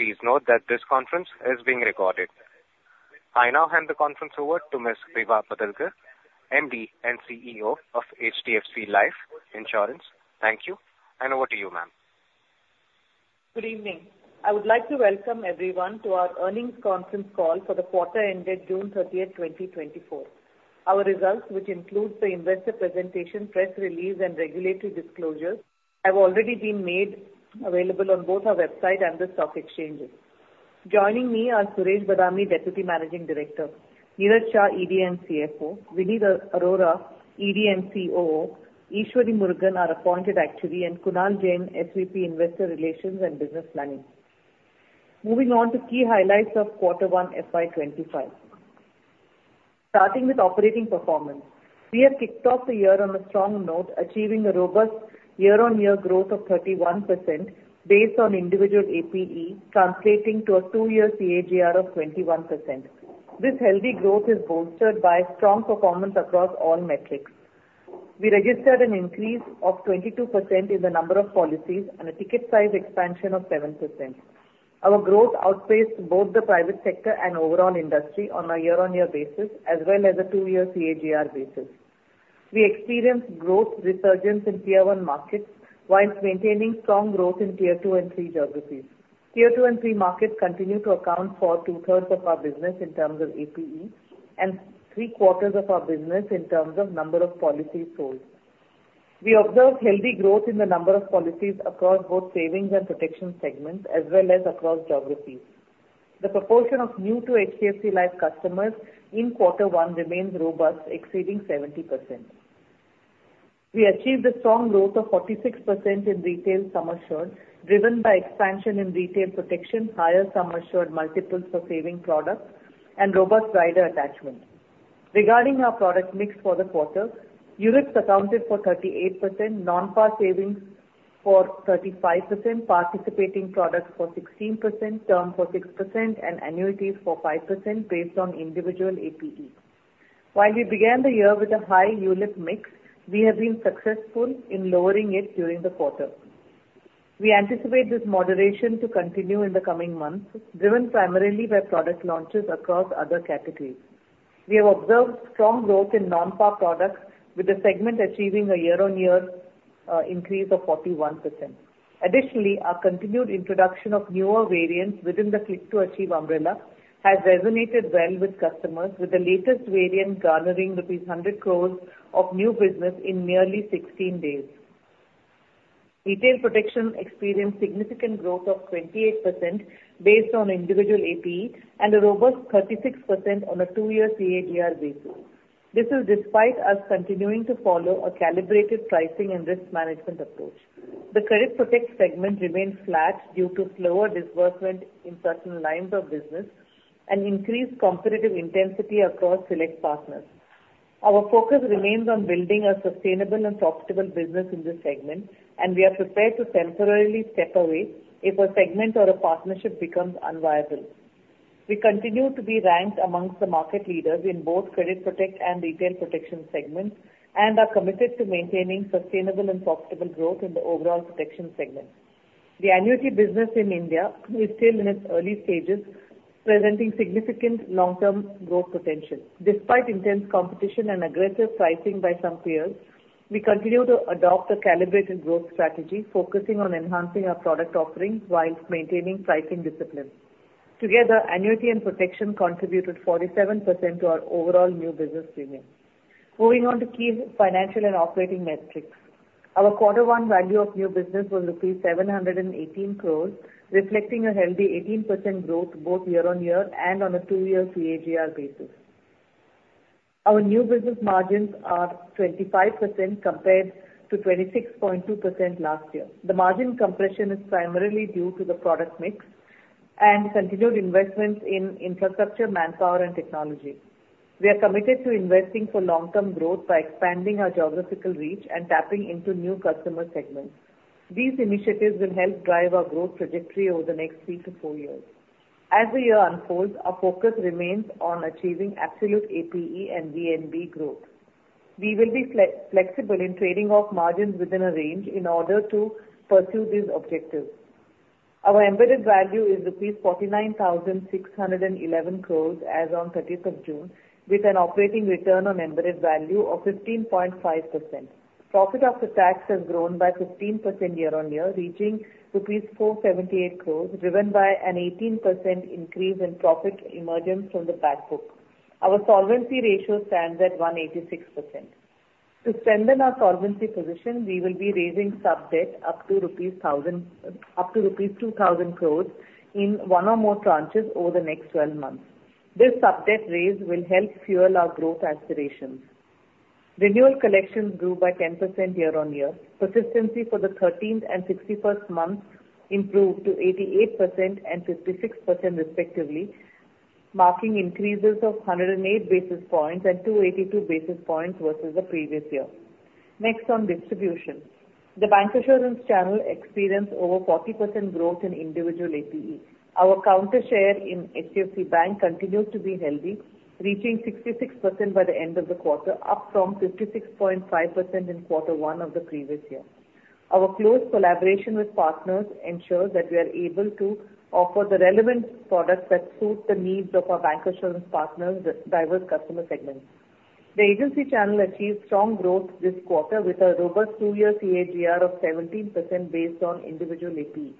...Please note that this conference is being recorded. I now hand the conference over to Ms. Vibha Padalkar, MD and CEO of HDFC Life Insurance. Thank you, and over to you, ma'am. Good evening. I would like to welcome everyone to our earnings conference call for the quarter ended June 30th, 2024. Our results, which includes the investor presentation, press release, and regulatory disclosures, have already been made available on both our website and the stock exchanges. Joining me are Suresh Badami, Deputy Managing Director; Niraj Shah, ED and CFO; Vineet Arora, ED and COO; Eshwari Murugan, our appointed actuary; and Kunal Jain, SVP, Investor Relations and Business Planning. Moving on to key highlights of quarter one, FY 2025. Starting with operating performance, we have kicked off the year on a strong note, achieving a robust year-on-year growth of 31% based on individual APE, translating to a 2-year CAGR of 21%. This healthy growth is bolstered by strong performance across all metrics. We registered an increase of 22% in the number of policies and a ticket size expansion of 7%. Our growth outpaced both the private sector and overall industry on a year-over-year basis, as well as a 2-year CAGR basis. We experienced growth resurgence in Tier 1 markets, while maintaining strong growth in Tier 2 and 3 geographies. Tier 2 and 3 markets continue to account for 2/3 of our business in terms of APE and three-quarters of our business in terms of number of policies sold. We observed healthy growth in the number of policies across both savings and protection segments, as well as across geographies. The proportion of new-to-HDFC Life customers in quarter one remains robust, exceeding 70%. We achieved a strong growth of 46% in retail Sum Assured, driven by expansion in retail protection, higher Sum Assured multiples for saving products, and robust rider attachments. Regarding our product mix for the quarter, ULIPs accounted for 38%, non-par savings for 35%, participating products for 16%, term for 6%, and annuities for 5%, based on individual APE. While we began the year with a high ULIP mix, we have been successful in lowering it during the quarter. We anticipate this moderation to continue in the coming months, driven primarily by product launches across other categories. We have observed strong growth in non-par products, with the segment achieving a year-on-year increase of 41%. Additionally, our continued introduction of newer variants within the Click 2 Achieve umbrella has resonated well with customers, with the latest variant garnering rupees 100 crore of new business in nearly 16 days. Retail Protection experienced significant growth of 28% based on individual APE, and a robust 36% on a two-year CAGR basis. This is despite us continuing to follow a calibrated pricing and risk management approach. The Credit Protect segment remains flat due to slower disbursement in certain lines of business and increased competitive intensity across select partners. Our focus remains on building a sustainable and profitable business in this segment, and we are prepared to temporarily step away if a segment or a partnership becomes unviable. We continue to be ranked among the market leaders in both Credit Protect and Retail Protection segments, and are committed to maintaining sustainable and profitable growth in the overall protection segment. The annuity business in India is still in its early stages, presenting significant long-term growth potential. Despite intense competition and aggressive pricing by some peers, we continue to adopt a calibrated growth strategy, focusing on enhancing our product offerings while maintaining pricing discipline. Together, annuity and protection contributed 47% to our overall new business premium. Moving on to key financial and operating metrics. Our quarter one value of new business was rupees 718 crore, reflecting a healthy 18% growth both year-on-year and on a two-year CAGR basis. Our new business margins are 25%, compared to 26.2% last year. The margin compression is primarily due to the product mix and continued investments in infrastructure, manpower, and technology. We are committed to investing for long-term growth by expanding our geographical reach and tapping into new customer segments. These initiatives will help drive our growth trajectory over the next 3-4 years. As the year unfolds, our focus remains on achieving absolute APE and VNB growth. We will be flexible in trading off margins within a range in order to pursue these objectives. Our embedded value is rupees 49,611 crore as on 30th of June, with an operating return on embedded value of 15.5%. Profit after tax has grown by 15% year-on-year, reaching rupees 478 crore, driven by an 18% increase in profit emergence from the back book. Our solvency ratio stands at 186%. To strengthen our solvency position, we will be raising sub-debt up to rupees 2,000 crore in one or more tranches over the next twelve months. This sub-debt raise will help fuel our growth aspirations. Renewal collections grew by 10% year-on-year. Persistency for the 13th and 61st months improved to 88% and 56% respectively, marking increases of 108 basis points and 282 basis points versus the previous year. Next, on distribution. The Bancassurance channel experienced over 40% growth in individual APE. Our counter share in HDFC Bank continues to be healthy, reaching 66% by the end of the quarter, up from 56.5% in quarter one of the previous year. Our close collaboration with partners ensures that we are able to offer the relevant products that suit the needs of our Bancassurance partners with diverse customer segments. The agency channel achieved strong growth this quarter, with a robust two-year CAGR of 17% based on individual APE.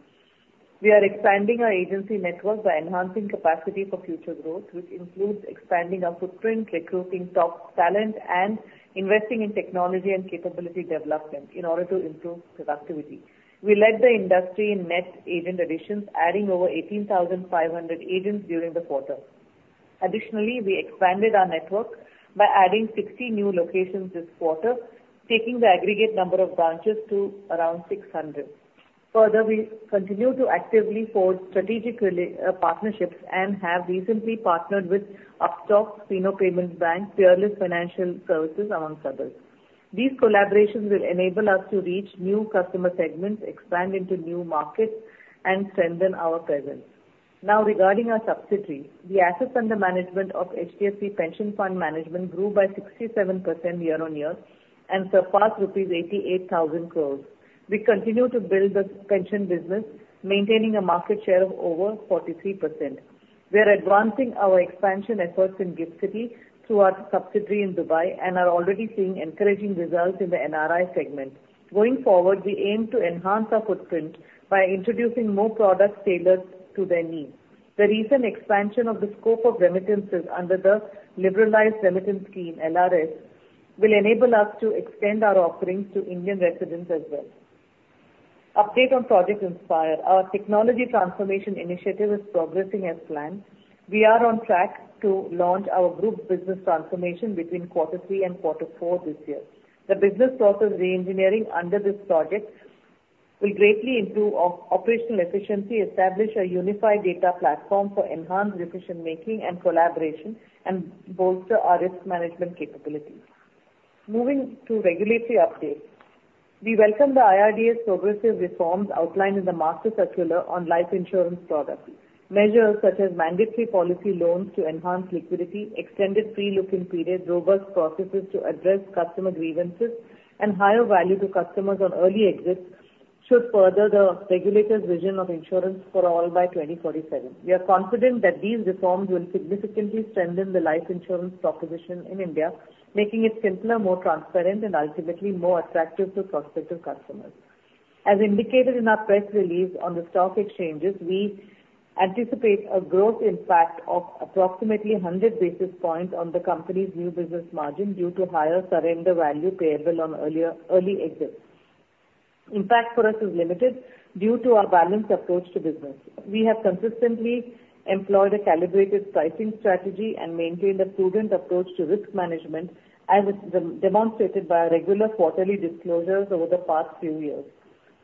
We are expanding our agency network by enhancing capacity for future growth, which includes expanding our footprint, recruiting top talent, and investing in technology and capability development in order to improve productivity. We led the industry in net agent additions, adding over 18,500 agents during the quarter. Additionally, we expanded our network by adding 60 new locations this quarter, taking the aggregate number of branches to around 600. Further, we continue to actively forge strategic partnerships and have recently partnered with Upstox, Fino Payments Bank, Peerless Financial Services, among others. These collaborations will enable us to reach new customer segments, expand into new markets, and strengthen our presence. Now, regarding our subsidiary, the assets under management of HDFC Pension Fund Management grew by 67% year-on-year and surpassed rupees 88,000 crores. We continue to build the pension business, maintaining a market share of over 43%. We are advancing our expansion efforts in GIFT City through our subsidiary in Dubai and are already seeing encouraging results in the NRI segment. Going forward, we aim to enhance our footprint by introducing more products tailored to their needs. The recent expansion of the scope of remittances under the Liberalised Remittance Scheme, LRS, will enable us to extend our offerings to Indian residents as well. Update on Project Inspire. Our technology transformation initiative is progressing as planned. We are on track to launch our Group business transformation between quarter three and quarter four this year. The business process reengineering under this project will greatly improve operational efficiency, establish a unified data platform for enhanced decision-making and collaboration, and bolster our risk management capabilities. Moving to regulatory updates. We welcome the IRDA's progressive reforms outlined in the Master Circular on life insurance products. Measures such as mandatory policy loans to enhance liquidity, extended free-look periods, robust processes to address customer grievances, and higher value to customers on early exits should further the regulator's vision of insurance for all by 2047. We are confident that these reforms will significantly strengthen the life insurance proposition in India, making it simpler, more transparent, and ultimately more attractive to prospective customers. As indicated in our press release on the stock exchanges, we anticipate a growth impact of approximately 100 basis points on the company's new business margin due to higher Surrender Value payable on earlier, early exits. Impact for us is limited due to our balanced approach to business. We have consistently employed a calibrated pricing strategy and maintained a prudent approach to risk management, as is demonstrated by our regular quarterly disclosures over the past few years.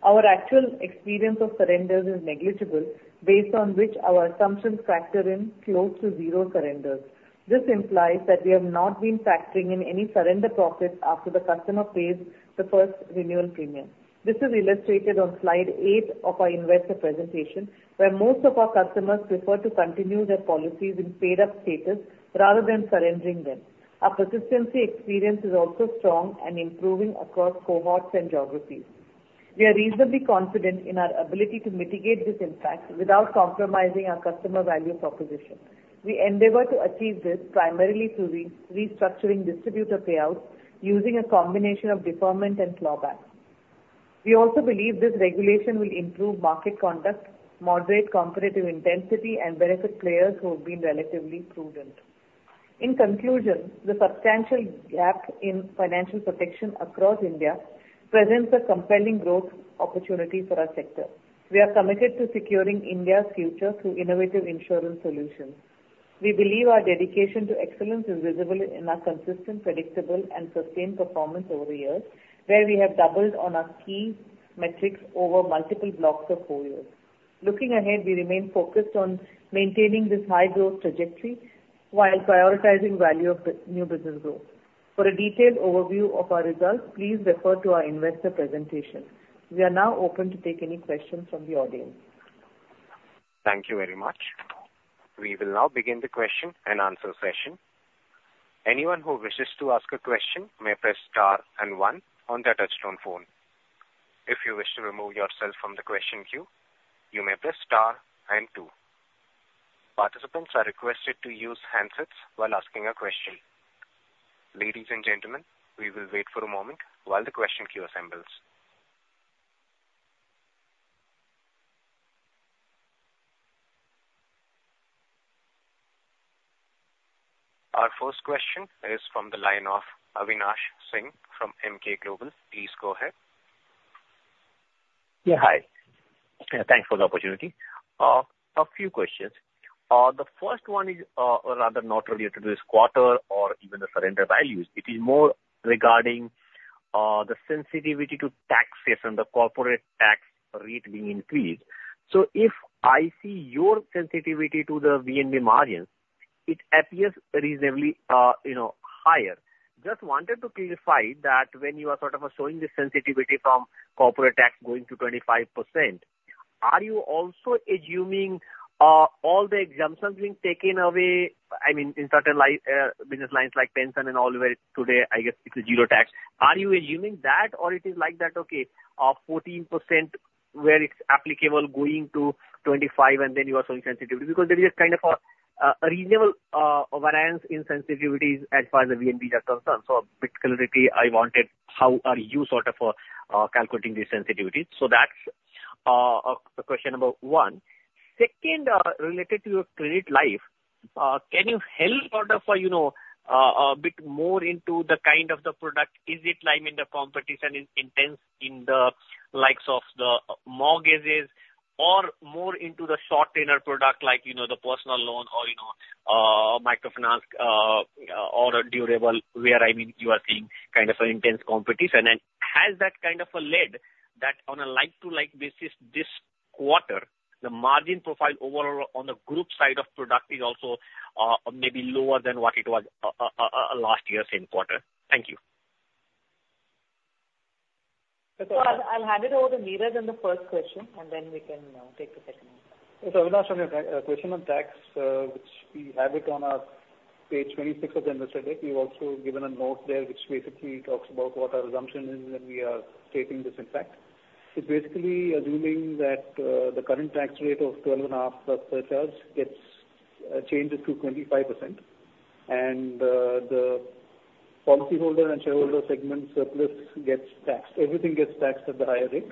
Our actual experience of surrenders is negligible, based on which our assumptions factor in close to zero surrenders. This implies that we have not been factoring in any surrender profits after the customer pays the first renewal premium. This is illustrated on slide eight of our investor presentation, where most of our customers prefer to continue their policies in paid-up status rather than surrendering them. Our persistency experience is also strong and improving across cohorts and geographies. We are reasonably confident in our ability to mitigate this impact without compromising our customer value proposition. We endeavor to achieve this primarily through restructuring distributor payouts using a combination of deferment and clawback. We also believe this regulation will improve market conduct, moderate competitive intensity, and benefit players who have been relatively prudent. In conclusion, the substantial gap in financial protection across India presents a compelling growth opportunity for our sector. We are committed to securing India's future through innovative insurance solutions. We believe our dedication to excellence is visible in our consistent, predictable, and sustained performance over the years, where we have doubled on our key metrics over multiple blocks of core years. Looking ahead, we remain focused on maintaining this high growth trajectory while prioritizing value of new business growth. For a detailed overview of our results, please refer to our investor presentation. We are now open to take any questions from the audience. Thank you very much. We will now begin the question-and-answer session. Anyone who wishes to ask a question may press star and one on their touch-tone phone. If you wish to remove yourself from the question queue, you may press star and two. Participants are requested to use handsets while asking a question. Ladies and gentlemen, we will wait for a moment while the question queue assembles. Our first question is from the line of Avinash Singh from Emkay Global. Please go ahead. Yeah, hi. Thanks for the opportunity. A few questions. The first one is rather not related to this quarter or even the Surrender Values. It is more regarding the sensitivity to taxation, the corporate tax rate being increased. So if I see your sensitivity to the VNB margins, it appears reasonably, you know, higher. Just wanted to clarify that when you are sort of showing the sensitivity from corporate tax going to 25%? Are you also assuming all the exemptions being taken away, I mean, in certain line, business lines like pension and all, where today, I guess it's zero tax. Are you assuming that? Or it is like that, okay, 14% where it's applicable going to 25%, and then you are showing sensitivity. Because there is a kind of a reasonable variance in sensitivities as far as the VNB are concerned. So bit clarity I wanted, how are you sort of calculating the sensitivity? So that's the question number one. Second, related to your Credit Life, can you help order for, you know, a bit more into the kind of the product, is it like in the competition in intense in the likes of the mortgages or more into the short-term product, like, you know, the personal loan or, you know, microfinance, or a durable, where, I mean, you are seeing kind of an intense competition. Has that kind of a led that on a like-to-like basis this quarter, the margin profile overall on the group side of product is also maybe lower than what it was last year, same quarter? Thank you. So I'll hand it over to Niraj in the first question, and then we can take the second one. So Avinash, on your question on tax, which we have it on our page 26 of the investor deck. We've also given a note there which basically talks about what our assumption is when we are taking this impact. So basically, assuming that, the current tax rate of 12.5% plus surcharge gets changes to 25%, and, the policyholder and shareholder segment surplus gets taxed. Everything gets taxed at the higher rate.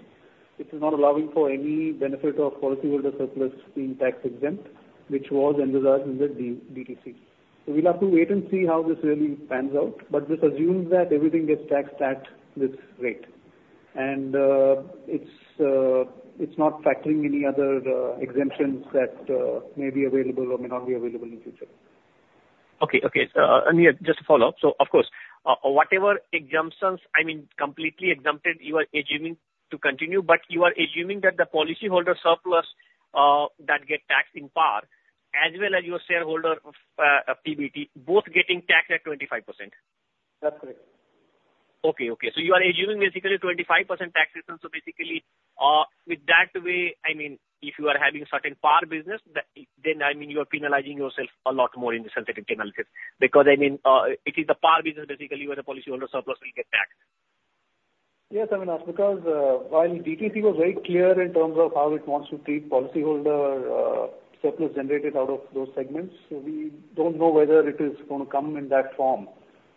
It is not allowing for any benefit of policyholder surplus being tax exempt, which was envisaged in the DTC. So we'll have to wait and see how this really pans out, but this assumes that everything gets taxed at this rate. And, it's not factoring any other exemptions that may be available or may not be available in the future. Okay, okay. And yeah, just a follow-up. So of course, whatever exemptions, I mean, completely exempted, you are assuming to continue, but you are assuming that the policyholder surplus that get taxed in Par, as well as your shareholder PBT, both getting taxed at 25%? That's correct. Okay, okay. So you are assuming basically 25% tax return. So basically, with that way, I mean, if you are having certain Par business, then, I mean, you are penalizing yourself a lot more in the sensitivity analysis. Because, I mean, it is the Par business, basically, where the policyholder surplus will get taxed. Yes, Avinash, because, while DTC was very clear in terms of how it wants to treat policyholder, surplus generated out of those segments, so we don't know whether it is going to come in that form.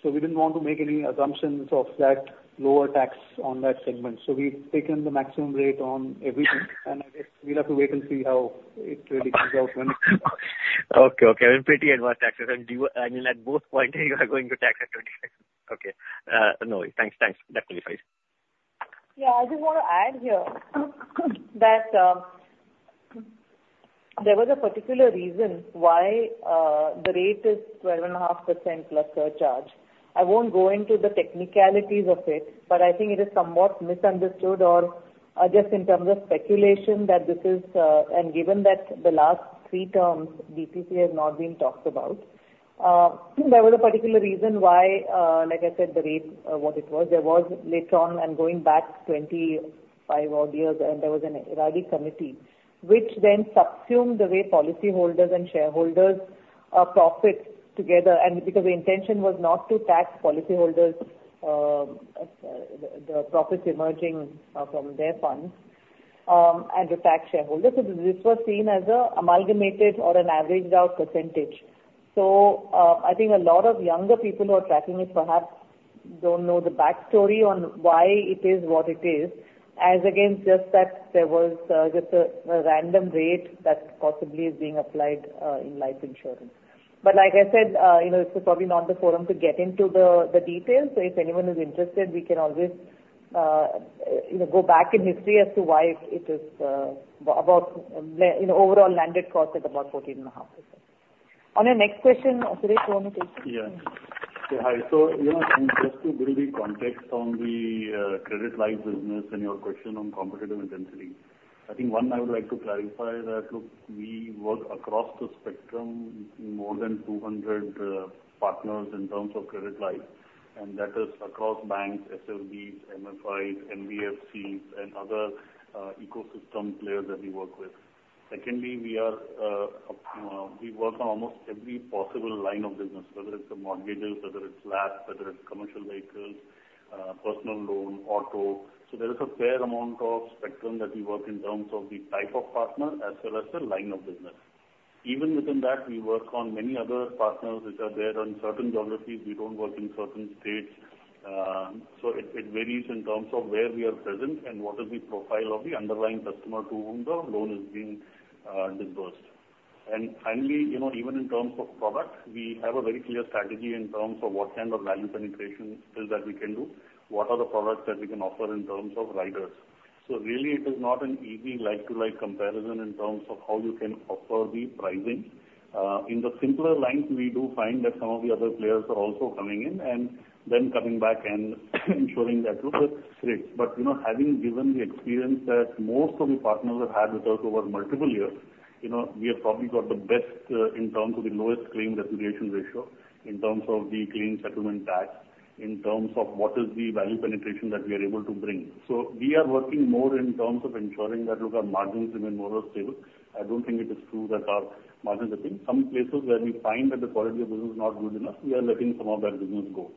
So we didn't want to make any assumptions of that lower tax on that segment. So we've taken the maximum rate on everything, and I guess we'll have to wait and see how it really plays out when Okay, okay. Well, pretty adverse taxes. Do you—I mean, at both points, you are going to tax at 25%. Okay, no, thanks, thanks. That clarifies. Yeah, I just want to add here, that there was a particular reason why the rate is 12.5% plus surcharge. I won't go into the technicalities of it, but I think it is somewhat misunderstood or just in terms of speculation, that this is—And given that the last three terms, DTC has not been talked about. There was a particular reason why, like I said, the rate what it was. There was later on, and going back 25 odd years, and there was an IRDAI committee, which then subsumed the way policyholders and shareholders profit together. And because the intention was not to tax policyholders, the profits emerging from their funds, and to tax shareholders. So this was seen as a amalgamated or an averaged out percentage. So, I think a lot of younger people who are tracking it perhaps don't know the backstory on why it is what it is, as against just that there was just a random rate that possibly is being applied in life insurance. But like I said, you know, this is probably not the forum to get into the details. So if anyone is interested, we can always, you know, go back in history as to why it is, about, you know, overall landed cost at about 14.5%. On our next question, Suresh, you want to take? Yeah. Yeah, hi. So, you know, just to give you the context on the Credit Life business and your question on competitive intensity. I think one, I would like to clarify that, look, we work across the spectrum, more than 200 partners in terms of Credit Life, and that is across banks, SFBs, MFIs, NBFCs and other ecosystem players that we work with. Secondly, we are, we work on almost every possible line of business, whether it's the mortgages, whether it's loans, whether it's commercial vehicles, personal loan, auto. So there is a fair amount of spectrum that we work in terms of the type of partner as well as the line of business. Even within that, we work on many other partners which are there in certain geographies. We don't work in certain states. So it, it varies in terms of where we are present and what is the profile of the underlying customer to whom the loan is being disbursed. And finally, you know, even in terms of products, we have a very clear strategy in terms of what kind of value penetration is that we can do, what are the products that we can offer in terms of riders. So really, it is not an easy like-for-like comparison in terms of how you can offer the pricing. In the simpler lines, we do find that some of the other players are also coming in, and then coming back and ensuring that with the rates. But, you know, having given the experience that most of the partners have had with us over multiple years-... You know, we have probably got the best, in terms of the lowest claim repudiation ratio, in terms of the claim settlement stats, in terms of what is the value penetration that we are able to bring. So we are working more in terms of ensuring that, look, our margins remain more or stable. I don't think it is true that our margins are thin. Some places where we find that the quality of business is not good enough, we are letting some of that business go.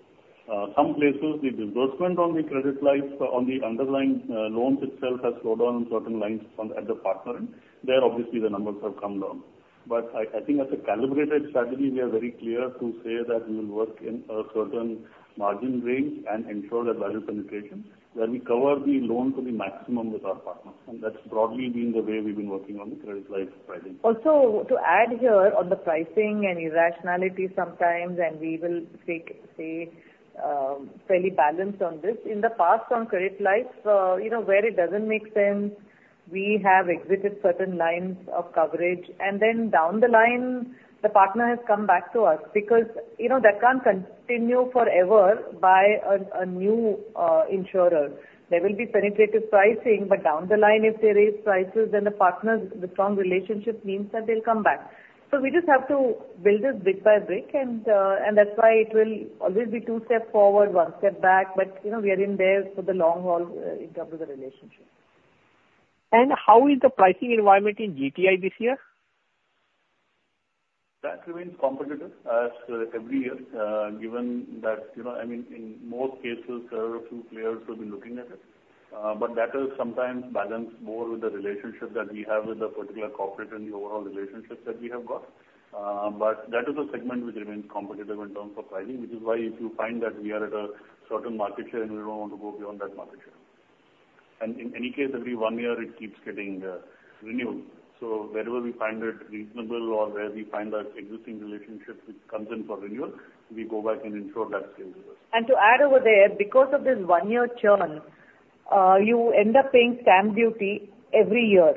Some places, the disbursement on the Credit Life on the underlying, loans itself has slowed down on certain lines on at the partner. There, obviously, the numbers have come down. But I think as a calibrated strategy, we are very clear to say that we will work in a certain margin range and ensure that value penetration, where we cover the loan to the maximum with our partners, and that's broadly been the way we've been working on the Credit Life pricing. Also, to add here on the pricing and irrationality sometimes, and we will take, say, fairly balanced on this. In the past, on Credit Life, you know, where it doesn't make sense, we have exited certain lines of coverage. And then down the line, the partner has come back to us because, you know, that can't continue forever by a, a new insurer. There will be penetrative pricing, but down the line, if there is prices, then the partners with strong relationship means that they'll come back. So we just have to build this brick by brick, and, and that's why it will always be two steps forward, one step back. But, you know, we are in there for the long haul, in terms of the relationship. How is the pricing environment in GTI this year? That remains competitive as every year, given that, you know, I mean, in most cases, there are a few players who've been looking at it. But that is sometimes balanced more with the relationship that we have with the particular corporate and the overall relationships that we have got. But that is a segment which remains competitive in terms of pricing, which is why if you find that we are at a certain market share, and we don't want to go beyond that market share. And in any case, every one year, it keeps getting renewed. So wherever we find it reasonable or where we find that existing relationship which comes in for renewal, we go back and ensure that scale. And to add over there, because of this one-year churn, you end up paying stamp duty every year,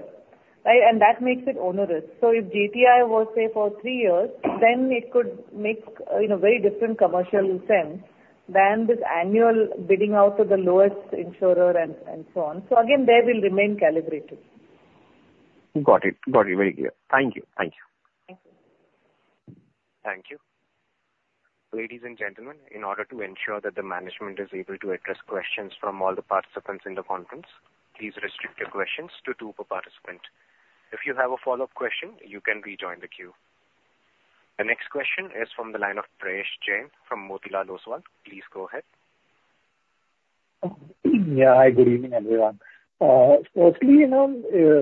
right? And that makes it onerous. So if GTI was say, for three years, then it could make, you know, very different commercial sense than this annual bidding out to the lowest insurer and, and so on. So again, there will remain calibrated. Got it. Got it. Very clear. Thank you. Thank you. Thank you. Thank you. Ladies and gentlemen, in order to ensure that the management is able to address questions from all the participants in the conference, please restrict your questions to two per participant. If you have a follow-up question, you can rejoin the queue. The next question is from the line of Prayesh Jain from Motilal Oswal. Please go ahead. Yeah. Hi, good evening, everyone. Firstly, you know,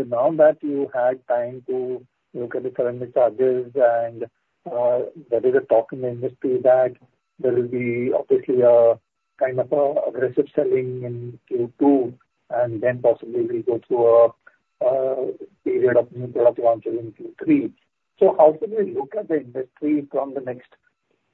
now that you had time to look at the current charges and, there is a talk in the industry that there will be obviously a kind of an aggressive selling in Q2, and then possibly we'll go through a period of new product launch in Q3. So how could we look at the industry from the next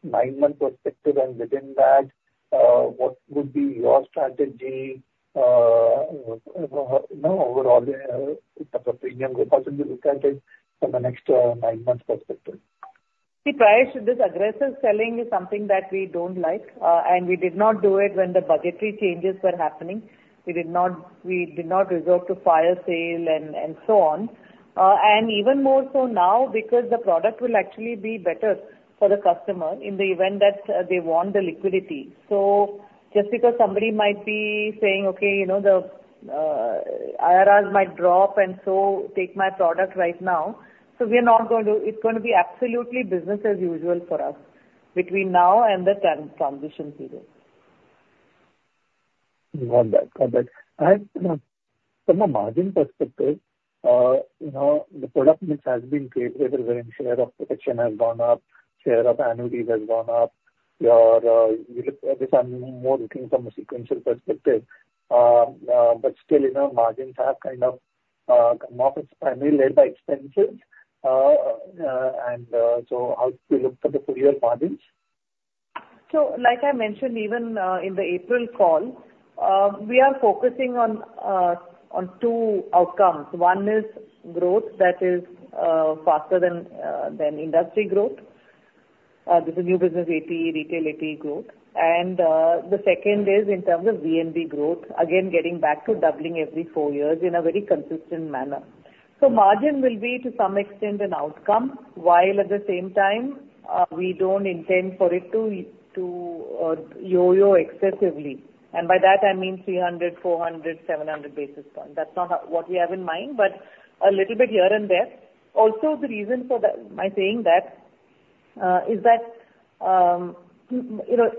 nine-month perspective? And within that, what would be your strategy, you know, overall, in terms of premium, how could we look at it from the next nine months perspective? See, Prayesh, this aggressive selling is something that we don't like, and we did not do it when the budgetary changes were happening. We did not, we did not resort to fire sale and so on. And even more so now, because the product will actually be better for the customer in the event that they want the liquidity. So just because somebody might be saying, "Okay, you know, the IRRs might drop, and so take my product right now," so we are not going to... It's going to be absolutely business as usual for us between now and the transition period. Got that. Got that. And, you know, from a margin perspective, you know, the product mix has been great, whether, when share of protection has gone up, share of annuities has gone up. Your thesis, I'm more looking from a sequential perspective, but still, you know, margins have kind of come up, it's primarily led by expenses, and so how do you look for the full year margins? So, like I mentioned, even in the April call, we are focusing on two outcomes. One is growth that is faster than industry growth, the new business APE, retail APE growth. And the second is in terms of VNB growth, again, getting back to doubling every 4 years in a very consistent manner. So margin will be, to some extent, an outcome, while at the same time, we don't intend for it to yo-yo excessively. And by that I mean 300, 400, 700 basis points. That's not what we have in mind, but a little bit here and there. Also, the reason for that, my saying that, is that, you know,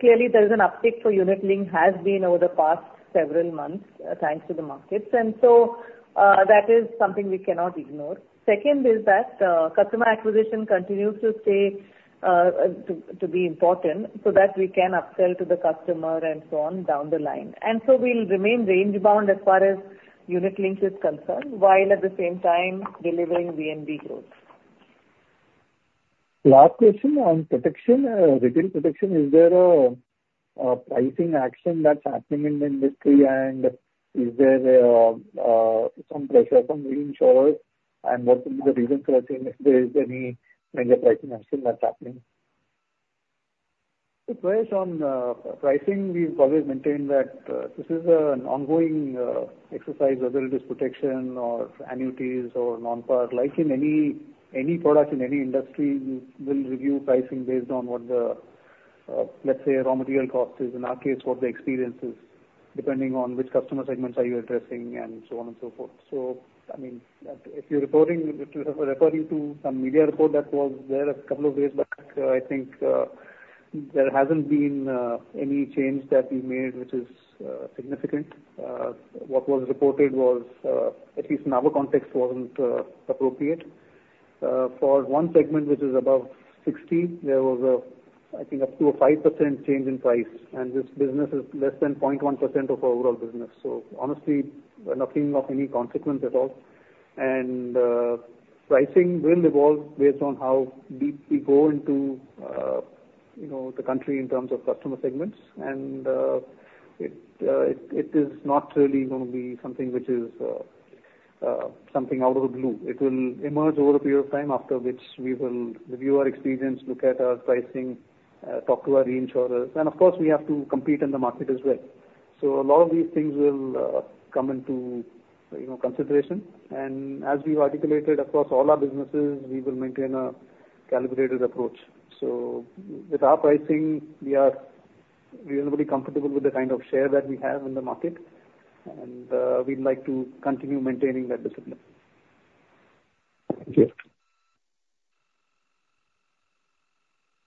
clearly there is an uptick for unit link has been over the past several months, thanks to the markets, and so, that is something we cannot ignore. Second is that, customer acquisition continues to stay, to be important, so that we can upsell to the customer and so on down the line. And so we'll remain range-bound as far as unit link is concerned, while at the same time delivering VNB growth. Last question on protection, Retail Protection, is there a pricing action that's happening in the industry? And is there some pressure from reinsurers? And what will be the reason for saying if there is any major pricing action that's happening?... It varies on pricing. We've always maintained that this is an ongoing exercise, whether it is protection or annuities or non-par. Like in any product in any industry, we will review pricing based on what the, let's say, raw material cost is, in our case, what the experience is, depending on which customer segments are you addressing, and so on and so forth. So I mean, if you're referring to some media report that was there a couple of days back, I think there hasn't been any change that we made, which is significant. What was reported was, at least in our context, wasn't appropriate. For one segment, which is above 60%, there was, I think, up to a 5% change in price, and this business is less than 0.1% of our overall business. So honestly, nothing of any consequence at all. And, pricing will evolve based on how deep we go into, you know, the country in terms of customer segments. And, it is not really going to be something which is, something out of the blue. It will emerge over a period of time, after which we will review our experience, look at our pricing, talk to our reinsurers. And of course, we have to compete in the market as well. So a lot of these things will, come into, you know, consideration. And as we've articulated across all our businesses, we will maintain a calibrated approach. So with our pricing, we are reasonably comfortable with the kind of share that we have in the market, and we'd like to continue maintaining that discipline. Thank you.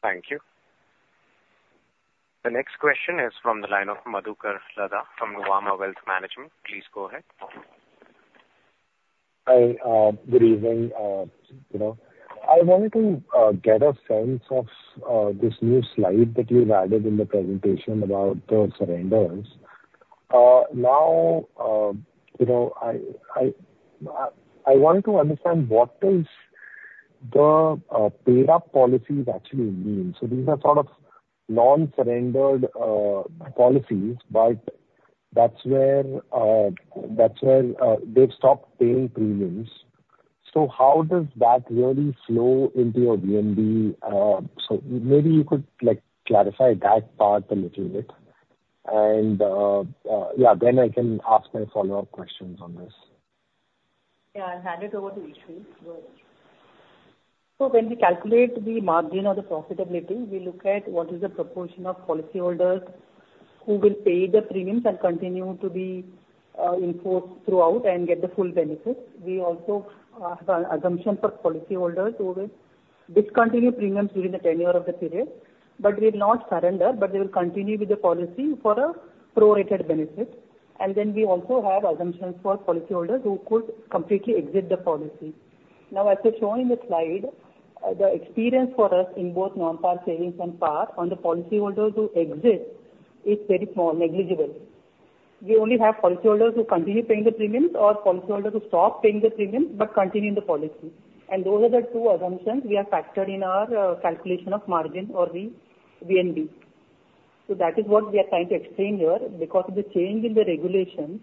Thank you. The next question is from the line of Madhukar Ladha from Nuvama Wealth Management. Please go ahead. Hi, good evening, you know. I wanted to get a sense of this new slide that you've added in the presentation about the surrenders. Now, you know, I want to understand what is the paid-up policies actually mean? So these are sort of non-surrendered policies, but that's where they've stopped paying premiums. So how does that really flow into your VNB? So maybe you could, like, clarify that part a little bit. And yeah, then I can ask my follow-up questions on this. Yeah, I'll hand it over to Eshwari. Go ahead. So when we calculate the margin or the profitability, we look at what is the proportion of policyholders who will pay the premiums and continue to be in force throughout and get the full benefit. We also have an assumption for policyholders who will discontinue premiums during the tenure of the period, but will not surrender, but they will continue with the policy for a pro-rated benefit. Then we also have assumptions for policyholders who could completely exit the policy. Now, as we've shown in the slide, the experience for us in both non-par savings and par on the policyholders who exit is very small, negligible. We only have policyholders who continue paying the premiums or policyholders who stop paying the premiums, but continue the policy. And those are the two assumptions we have factored in our calculation of margin or the VNB. So that is what we are trying to explain here. Because of the change in the regulation,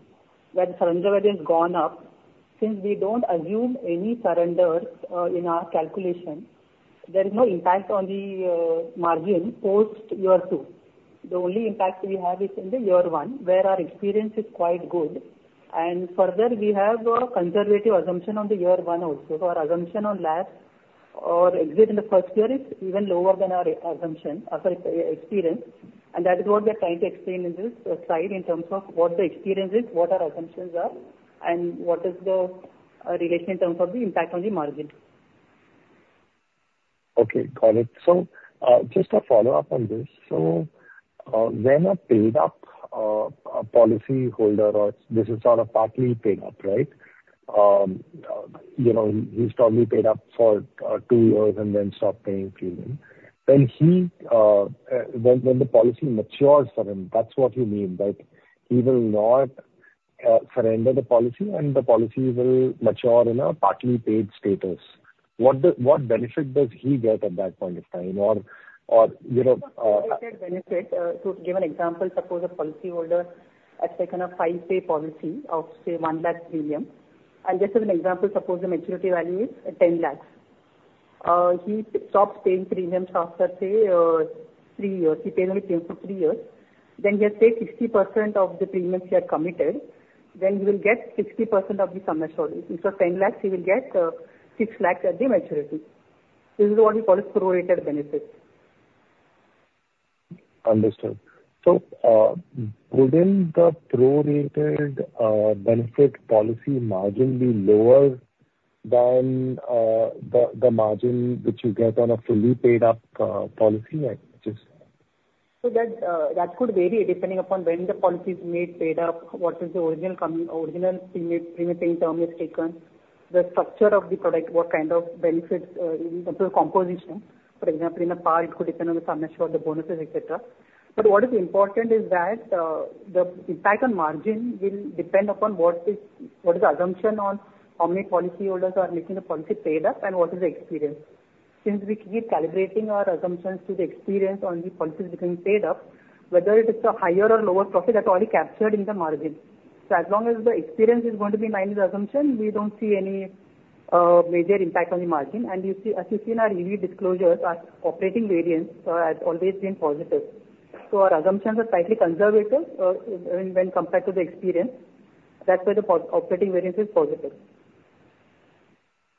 where the Surrender Value has gone up, since we don't assume any surrenders in our calculation, there is no impact on the margin post year two. The only impact we have is in the year one, where our experience is quite good. And further, we have a conservative assumption on the year one also. So our assumption on lapse or exit in the first year is even lower than our assumption, sorry, experience, and that is what we are trying to explain in this slide, in terms of what the experience is, what our assumptions are, and what is the regulation in terms of the impact on the margin. Okay, got it. So, just a follow-up on this: so, when a paid-up, a policyholder or this is sort of partly paid up, right? You know, he's probably paid up for two years and then stopped paying premium. When he, when the policy matures for him, that's what you mean, that he will not surrender the policy, and the policy will mature in a partly paid status. What do... What benefit does he get at that point in time? Or, you know, Benefit, to give an example, suppose a policyholder has taken a 5-pay policy of, say, 1 lakh premium. And just as an example, suppose the maturity value is at 10 lakhs. He stops paying premiums after, say, three years. He paid only premiums for three years. Then he has paid 60% of the premiums he had committed. Then he will get 60% of the Sum Assured. Instead of 10 lakhs, he will get 6 lakhs at the maturity. This is what we call a pro-rated benefit. Understood. So, wouldn't the pro-rated benefit policy margin be lower than the margin which you get on a fully paid-up policy at which is? So that could vary depending upon when the policy is made paid up, what is the original premium, premium paying term is taken, the structure of the product, what kind of benefits in terms of composition. For example, in a par, it could depend on the Sum Assured, the bonuses, et cetera. But what is important is that the impact on margin will depend upon what is the assumption on how many policyholders are making the policy paid up and what is the experience. Since we keep calibrating our assumptions to the experience on the policies becoming paid up, whether it is a higher or lower profit, that's already captured in the margin. So as long as the experience is going to be in line with the assumption, we don't see any major impact on the margin. You see, as you've seen our yearly disclosures, our operating variance has always been positive. So our assumptions are tightly conservative, when compared to the experience. That's why the operating variance is positive.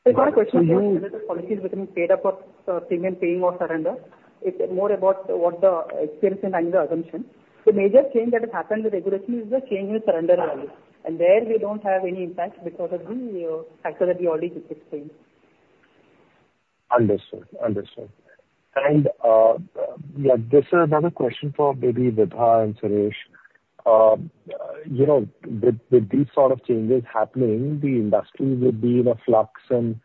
It's not a question of whether the policy is becoming paid-up or premium paying or surrender. It's more about what the experience and the assumption. The major change that has happened with regulation is the change in Surrender Value, and there we don't have any impact because of the factor that we already explained. Understood. Understood. And, yeah, this is another question for maybe Vibha and Suresh. You know, with these sort of changes happening, the industry will be in a flux and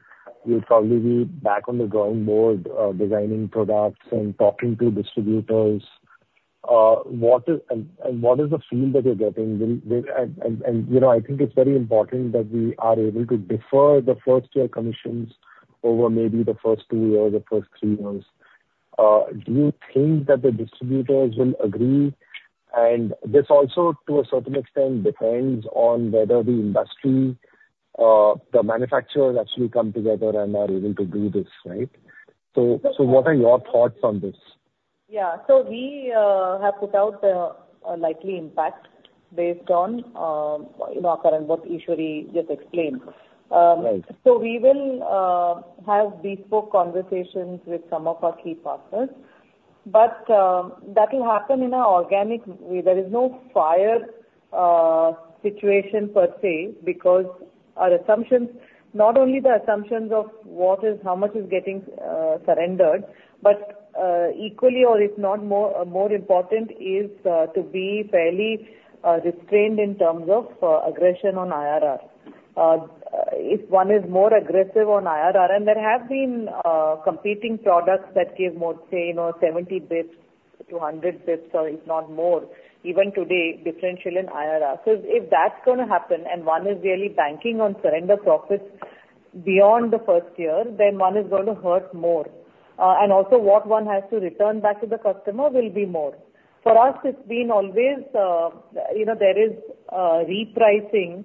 you'll probably be back on the drawing board, designing products and talking to distributors. What is, and what is the feel that you're getting? When... And, you know, I think it's very important that we are able to defer the first year commissions over maybe the first two years or first three months. Do you think that the distributors will agree? And this also, to a certain extent, depends on whether the industry, the manufacturers actually come together and are willing to do this, right? So, what are your thoughts on this? Yeah. So we have put out a likely impact based on, you know, current what Eshwari just explained. Right. So we will have bespoke conversations with some of our key partners. But that will happen in an organic way. There is no fire situation per se, because our assumptions, not only the assumptions of what is, how much is getting surrendered, but equally or if not more, more important is to be fairly restrained in terms of aggression on IRR. If one is more aggressive on IRR, and there have been competing products that give more, say, you know, 70 basis points to 100 basis points or if not more, even today, differential in IRR. So if that's going to happen and one is really banking on surrender profits beyond the first year, then one is going to hurt more. And also what one has to return back to the customer will be more. For us, it's been always, you know, there is, repricing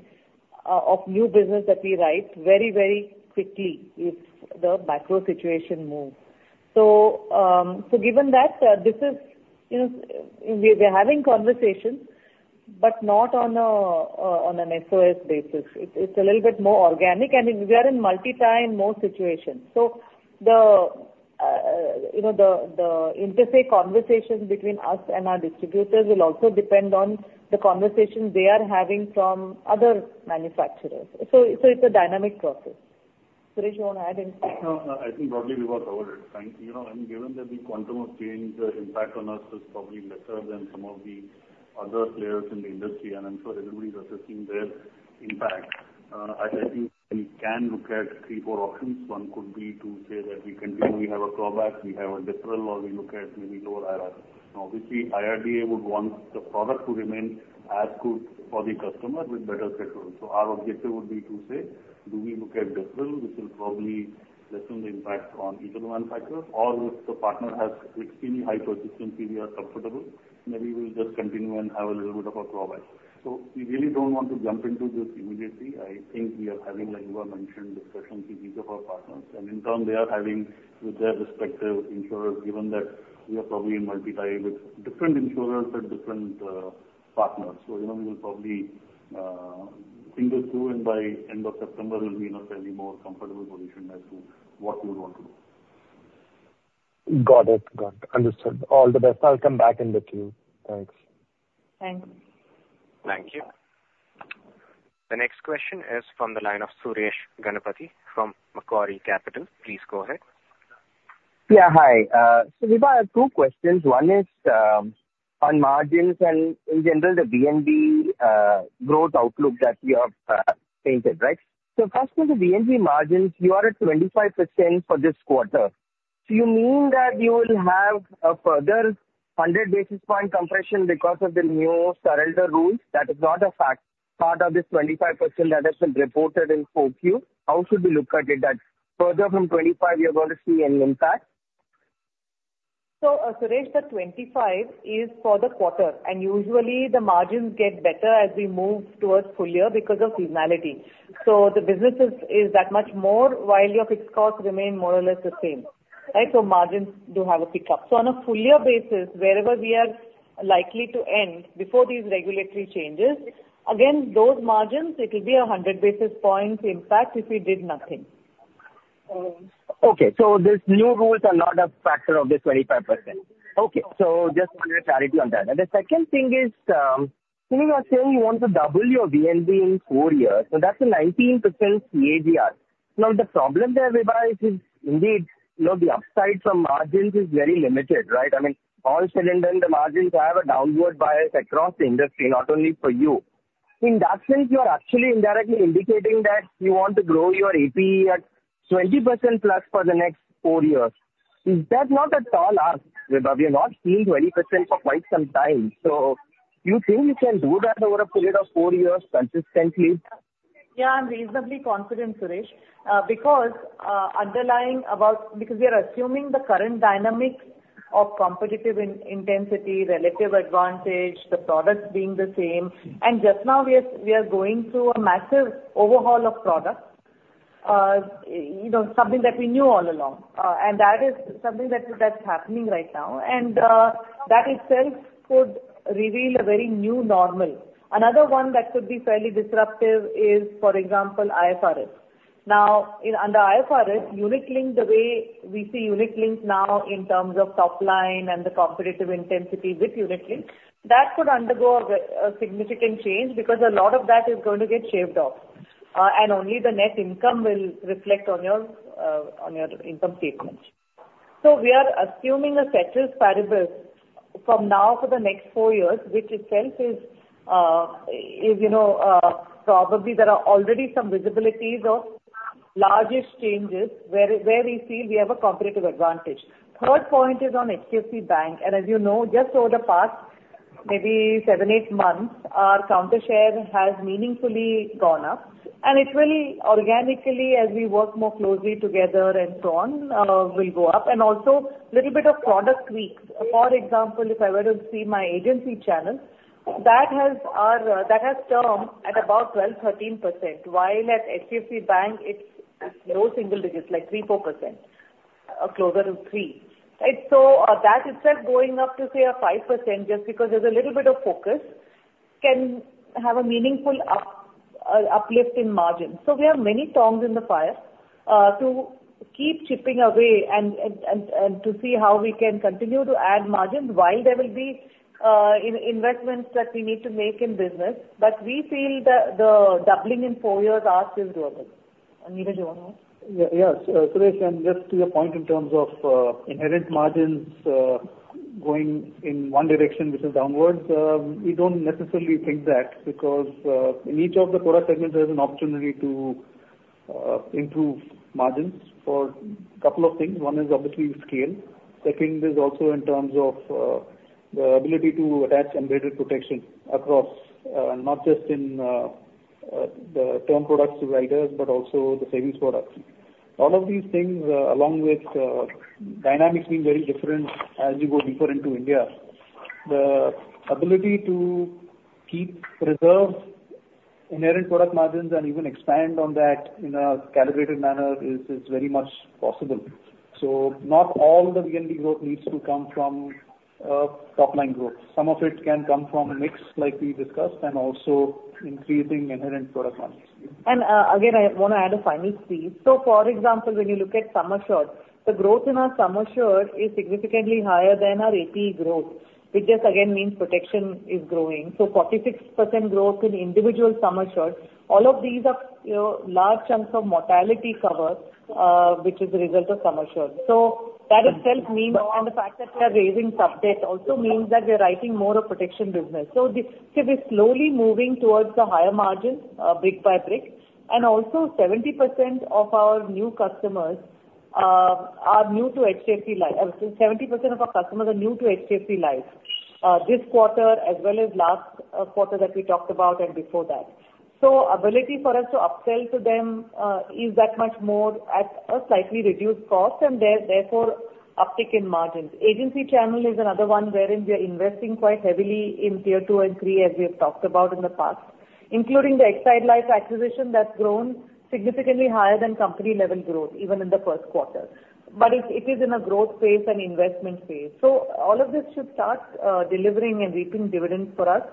of new business that we write very, very quickly if the macro situation moves. So, so given that, this is, you know, we're, we're having conversations but not on a, on an SOS basis. It's, it's a little bit more organic, and we are in multi-time more situations. So the, you know, the, the interface conversations between us and our distributors will also depend on the conversations they are having from other manufacturers. So, so it's a dynamic process. Suresh, you want to add anything? No, I think broadly we've covered it. Thank you. You know, and given that the quantum of change, the impact on us is probably lesser than some of the other players in the industry, and I'm sure everybody's assessing their impact, I think we can look at three, four options. One could be to say that we continue, we have a pullback, we have a deferral, or we look at maybe lower IRR. Obviously, IRDA would want the product to remain as good for the customer with better deferrals. So our objective would be to say, do we look at deferral, which will probably lessen the impact on each manufacturer, or if the partner has extremely high persistence and we are comfortable, maybe we'll just continue and have a little bit of a pullback. So we really don't want to jump into this immediately. I think we are having, like you have mentioned, discussions with each of our partners, and in turn, they are having with their respective insurers, given that we are probably in multi-tie with different insurers and different, partners. So, you know, we will probably, think it through, and by end of September, we'll be in a fairly more comfortable position as to what we want to do. Got it. Got it. Understood. All the best. I'll come back in the queue. Thanks. Thanks. Thank you. The next question is from the line of Suresh Ganapathy from Macquarie Capital. Please go ahead. Yeah, hi. So Vibha, I have two questions. One is, on margins and in general, the VNB, growth outlook that you have, painted, right? So first, with the VNB margins, you are at 25% for this quarter. Do you mean that you will have a further 100 basis point compression because of the new surrender rules, that is not a fact, part of the 25% that has been reported in 4Q? How should we look at it, that further from 25, you're going to see any impact? So, Suresh, the 25% is for the quarter, and usually the margins get better as we move towards full year because of seasonality. So the businesses is that much more, while your fixed costs remain more or less the same, right? So margins do have a pickup. So on a full year basis, wherever we are likely to end before these regulatory changes, again, those margins, it will be 100 basis points impact if we did nothing. Okay. So these new rules are not a factor of the 25%. Okay. So just wanted a clarity on that. And the second thing is, Vibha, you are saying you want to double your VNB in four years, so that's a 19% CAGR. Now, the problem there, Vibha, is, indeed, you know, the upside from margins is very limited, right? I mean, all said and done, the margins have a downward bias across the industry, not only for you. In that sense, you are actually indirectly indicating that you want to grow your APE at 20% plus for the next four years. Is that not at all asked, Vibha? We have not seen 20% for quite some time. So you think you can do that over a period of four years consistently? Yeah, I'm reasonably confident, Suresh, because we are assuming the current dynamics of competitive intensity, relative advantage, the products being the same, and just now we are going through a massive overhaul of products. You know, something that we knew all along, and that is something that's happening right now. And that itself could reveal a very new normal. Another one that could be fairly disruptive is, for example, IFRS. Now, under IFRS, Unit-Linked, the way we see Unit-Linked now in terms of top line and the competitive intensity with Unit-Linked, that could undergo a significant change because a lot of that is going to get shaved off, and only the net income will reflect on your on your income statement. So we are assuming a status variable from now for the next four years, which itself is, you know, probably there are already some visibilities of largest changes where we feel we have a competitive advantage. Third point is on HDFC Bank, and as you know, just over the past maybe seven, eight months, our counter share has meaningfully gone up, and it will organically, as we work more closely together and so on, will go up, and also little bit of product tweak. For example, if I were to see my agency channel, that has our, that has turned at about 12%-13%, while at HDFC Bank it's low single digits, like 3%-4%, closer to 3%, right? So, that itself going up to, say, a 5% just because there's a little bit of focus, can have a meaningful uplift in margins. So we have many tongs in the fire to keep chipping away and to see how we can continue to add margins while there will be investments that we need to make in business. But we feel the doubling in four years are still doable. Niraj, you want to...? Yeah, yeah. So, Suresh, and just to your point in terms of inherent margins going in one direction, which is downwards, we don't necessarily think that, because in each of the product segments there is an opportunity to improve margins for couple of things. One is obviously scale. Second is also in terms of the ability to attach embedded protection across, not just in the term products to riders, but also the savings products. All of these things, along with dynamics being very different as you go deeper into India, the ability to keep reserved inherent product margins and even expand on that in a calibrated manner is very much possible. So not all the VNB growth needs to come from top line growth. Some of it can come from mix, like we discussed, and also increasing inherent product margins. And, again, I want to add a final piece. So, for example, when you look at Sum Assured, the growth in our Sum Assured is significantly higher than our APE growth, which just again, means protection is growing. So 46% growth in individual Sum Assured. All of these are, you know, large chunks of mortality cover, which is a result of Sum Assured. So that itself means, and the fact that we are raising sub-debt also means that we are writing more of protection business. So this, so we're slowly moving towards the higher margin, brick by brick. And also, 70% of our new customers are new to HDFC Life. 70% of our customers are new to HDFC Life, this quarter as well as last quarter that we talked about and before that. So ability for us to upsell to them is that much more at a slightly reduced cost, and therefore uptick in margins. Agency channel is another one wherein we are investing quite heavily in Tier 2 and 3, as we have talked about in the past, including the Exide Life acquisition that's grown significantly higher than company level growth, even in the first quarter. But it is in a growth phase and investment phase. So all of this should start delivering and reaping dividends for us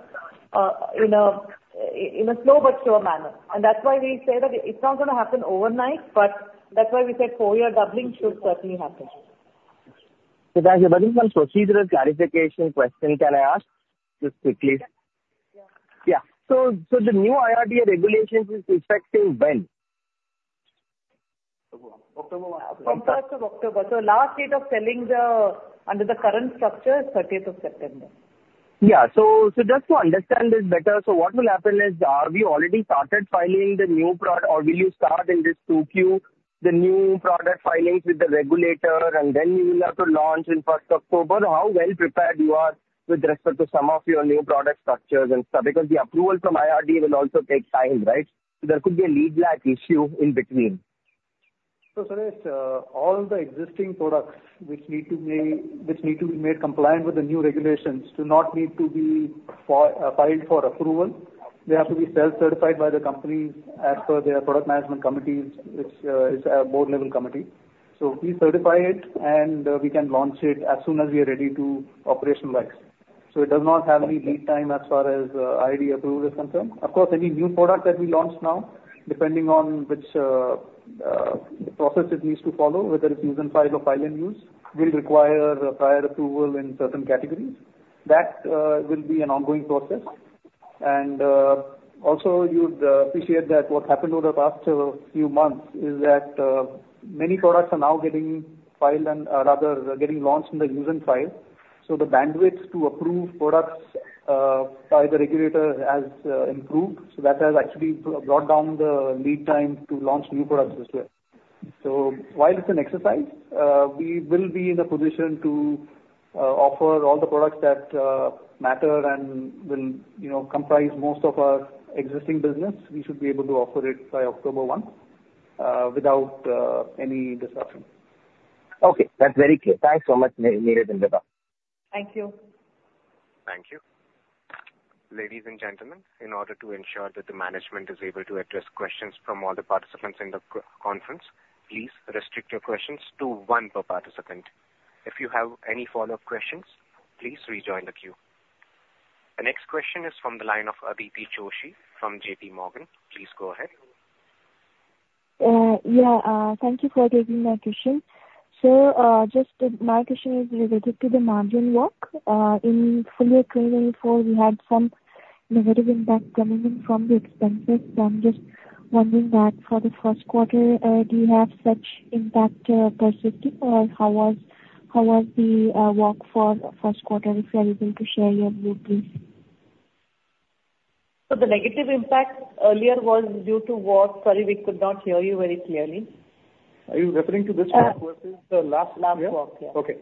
in a slow but sure manner. And that's why we say that it's not gonna happen overnight, but that's why we said four-year doubling should certainly happen. There is one procedural clarification question can I ask, just quickly? Yeah. Yeah. So, the new IRDA regulations is effective when? October. From first of October. So last date of selling the, under the current structure, 30th of September. Yeah. So, so just to understand this better, so what will happen is, are we already started filing the new product or will you start in this 2Q, the new product filings with the regulator, and then you will have to launch in 1st October? How well prepared you are with respect to some of your new product structures and stuff? Because the approval from IRDA will also take time, right? There could be a legal issue in between. So, Suresh, all the existing products which need to be made compliant with the new regulations do not need to be filed for approval. They have to be self-certified by the company as per their product management committees, which is a board-level committee. So we certify it, and we can launch it as soon as we are ready to operationalize. So it does not have any lead time as far as IRDA approval is concerned. Of course, any new product that we launch now, depending on which process it needs to follow, whether it's use and file or file and use, will require a prior approval in certain categories. That will be an ongoing process. You'd appreciate that what happened over the past few months is that many products are now getting filed and, rather, getting launched in the use and file. So the bandwidth to approve products by the regulator has improved. So that has actually brought down the lead time to launch new products this year. So while it's an exercise, we will be in a position to offer all the products that matter and will, you know, comprise most of our existing business. We should be able to offer it by October 1 without any disruption. Okay, that's very clear. Thanks so much, Niraj and Vibha. Thank you. Thank you. ... Ladies and gentlemen, in order to ensure that the management is able to address questions from all the participants in the conference, please restrict your questions to one per participant. If you have any follow-up questions, please rejoin the queue. The next question is from the line of Aditi Joshi from J.P. Morgan. Please go ahead. Yeah, thank you for taking my question. So, just my question is related to the margin walk. In full year 2024, we had some negative impact coming in from the expenses. So I'm just wondering that for the first quarter, do you have such impact persisting or how was, how was the walk for first quarter? If you are able to share your view, please. So the negative impact earlier was due to what? Sorry, we could not hear you very clearly. Are you referring to this walk or the- The last walk. Okay.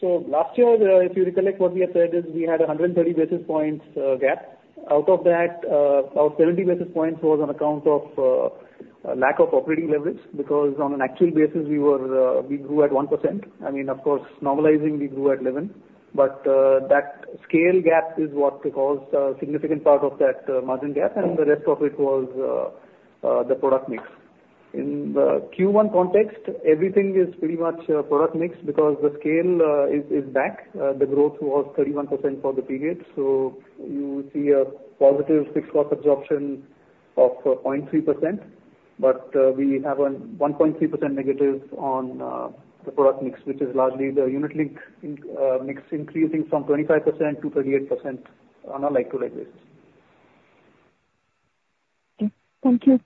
So last year, if you recollect, what we had said is we had 130 basis points gap. Out of that, about 70 basis points was on account of lack of operating leverage, because on an actual basis, we were, we grew at 1%. I mean, of course, normalizing, we grew at 11%. But, that scale gap is what caused a significant part of that, margin gap, and the rest of it was, the product mix. In the Q1 context, everything is pretty much, product mix because the scale, is, is back. The growth was 31% for the period, so you see a positive fixed cost absorption of 0.3%. We have a 1.3% negative on the product mix, which is largely the Unit-Linked mix increasing from 25% to 38% on a like-to-like basis. Okay. Thank you.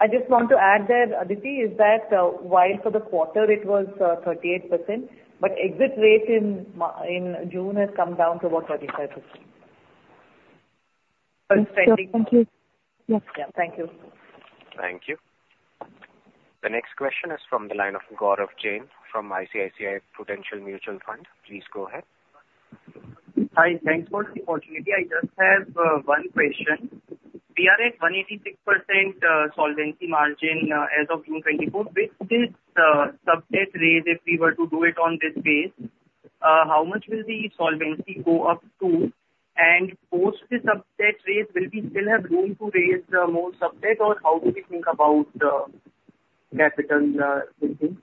I just want to add that, Aditi, while for the quarter it was 38%, but exit rate in June has come down to about 35%. Thank you. Yeah. Thank you. Thank you. The next question is from the line of Gaurav Jain from ICICI Prudential Mutual Fund. Please go ahead. Hi, thanks for the opportunity. I just have one question. We are at 186% solvency margin as of June 24. With this sub-debt raise, if we were to do it on this base, how much will the solvency go up to? And post the sub-debt raise, will we still have room to raise more sub-debt, or how do we think about capital building?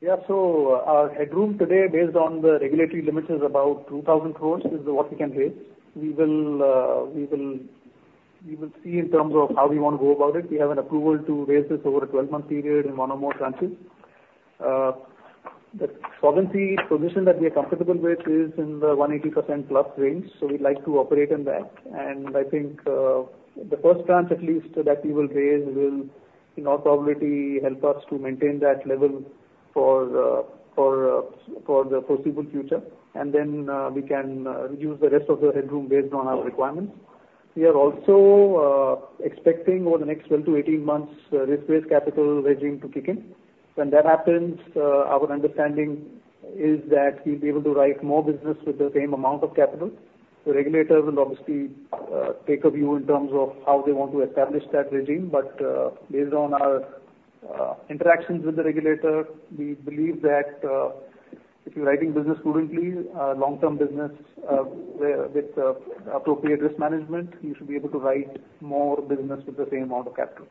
Yeah. So our headroom today, based on the regulatory limits, is about 2,000 crore, is what we can raise. We will see in terms of how we want to go about it. We have an approval to raise this over a 12-month period in one or more tranches. The solvency position that we are comfortable with is in the 180% plus range, so we'd like to operate in that. And I think, the first tranche at least that we will raise will in all probability help us to maintain that level for the foreseeable future. And then, we can use the rest of the headroom based on our requirements. We are also expecting over the next 12-18 months, risk-based capital regime to kick in. When that happens, our understanding is that we'll be able to write more business with the same amount of capital. The regulator will obviously take a view in terms of how they want to establish that regime, but based on our interactions with the regulator, we believe that if you're writing business prudently, long-term business where, with appropriate risk management, you should be able to write more business with the same amount of capital.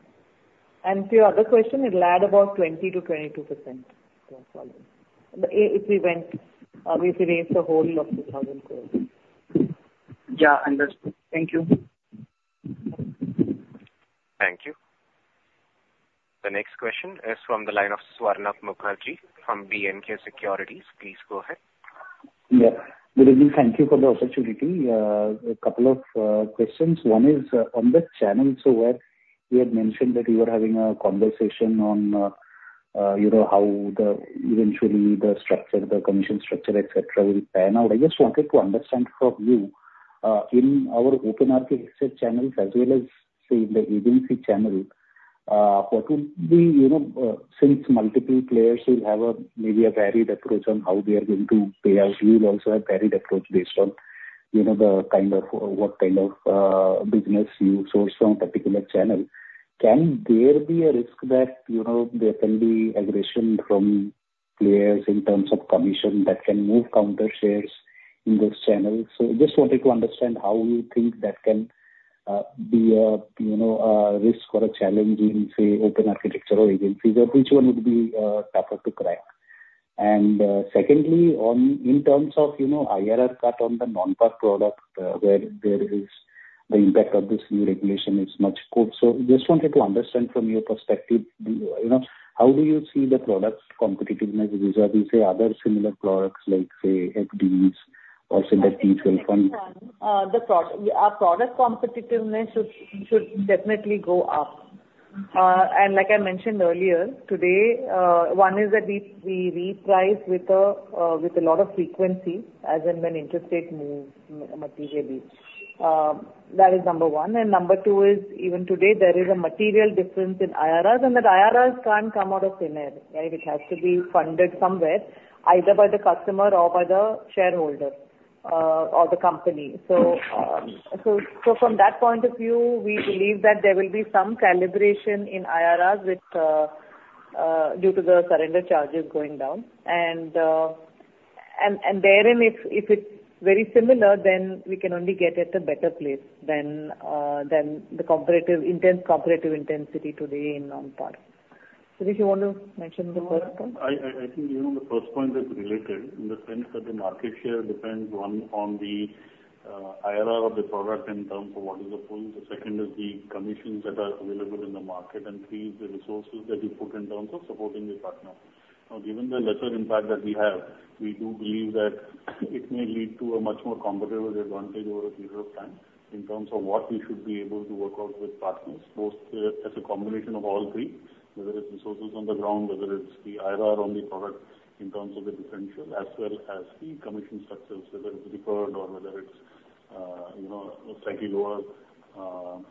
To your other question, it'll add about 20%-22% to our solvency. If we raised the whole of 2,000 crore. Yeah, understood. Thank you. Thank you. The next question is from the line of Swarnabh Mukherjee from B&K Securities. Please go ahead. Yeah. Good evening. Thank you for the opportunity. A couple of questions. One is on the channel, so where you had mentioned that you are having a conversation on, you know, how the, eventually the structure, the commission structure, et cetera, will pan out. I just wanted to understand from you, in our open architecture channels as well as, say, in the agency channel, what will be. You know, since multiple players will have a, maybe a varied approach on how they are going to pay out, you will also have varied approach based on, you know, the kind of, what kind of, business you source from a particular channel. Can there be a risk that, you know, there can be aggression from players in terms of commission that can move counter shares in those channels? So just wanted to understand how you think that can be a, you know, a risk or a challenge in, say, open architecture or agency, or which one would be tougher to crack? And secondly, on, in terms of, you know, IRR cut on the non-par product, where there is the impact of this new regulation is much poor. So just wanted to understand from your perspective, do you, you know, how do you see the product's competitiveness vis-a-vis, say, other similar products like, say, FDs or say, mutual funds? The product, our product competitiveness should definitely go up. And like I mentioned earlier, today, one is that we reprice with a lot of frequency, as and when interest rates move, typically. That is number one. And number two is, even today, there is a material difference in IRRs, and that IRRs can't come out of thin air. Right? It has to be funded somewhere, either by the customer or by the shareholder, or the company. So from that point of view, we believe that there will be some calibration in IRRs, which due to the surrender charges going down. And therein, if it's very similar, then we can only get at a better place than the comparative intense comparative intensity today in non-par. If you want to mention the first point? I think, you know, the first point is related in the sense that the market share depends, one, on the IRR of the product in terms of what is the pool. The second is the commissions that are available in the market, and three, is the resources that we put in terms of supporting the partner. Now, given the lesser impact that we have, we do believe that it may lead to a much more competitive advantage over a period of time in terms of what we should be able to work out with partners, both as a combination of all three, whether it's resources on the ground, whether it's the IRR on the product in terms of the differential, as well as the commission structures, whether it's deferred or whether it's, you know, slightly lower,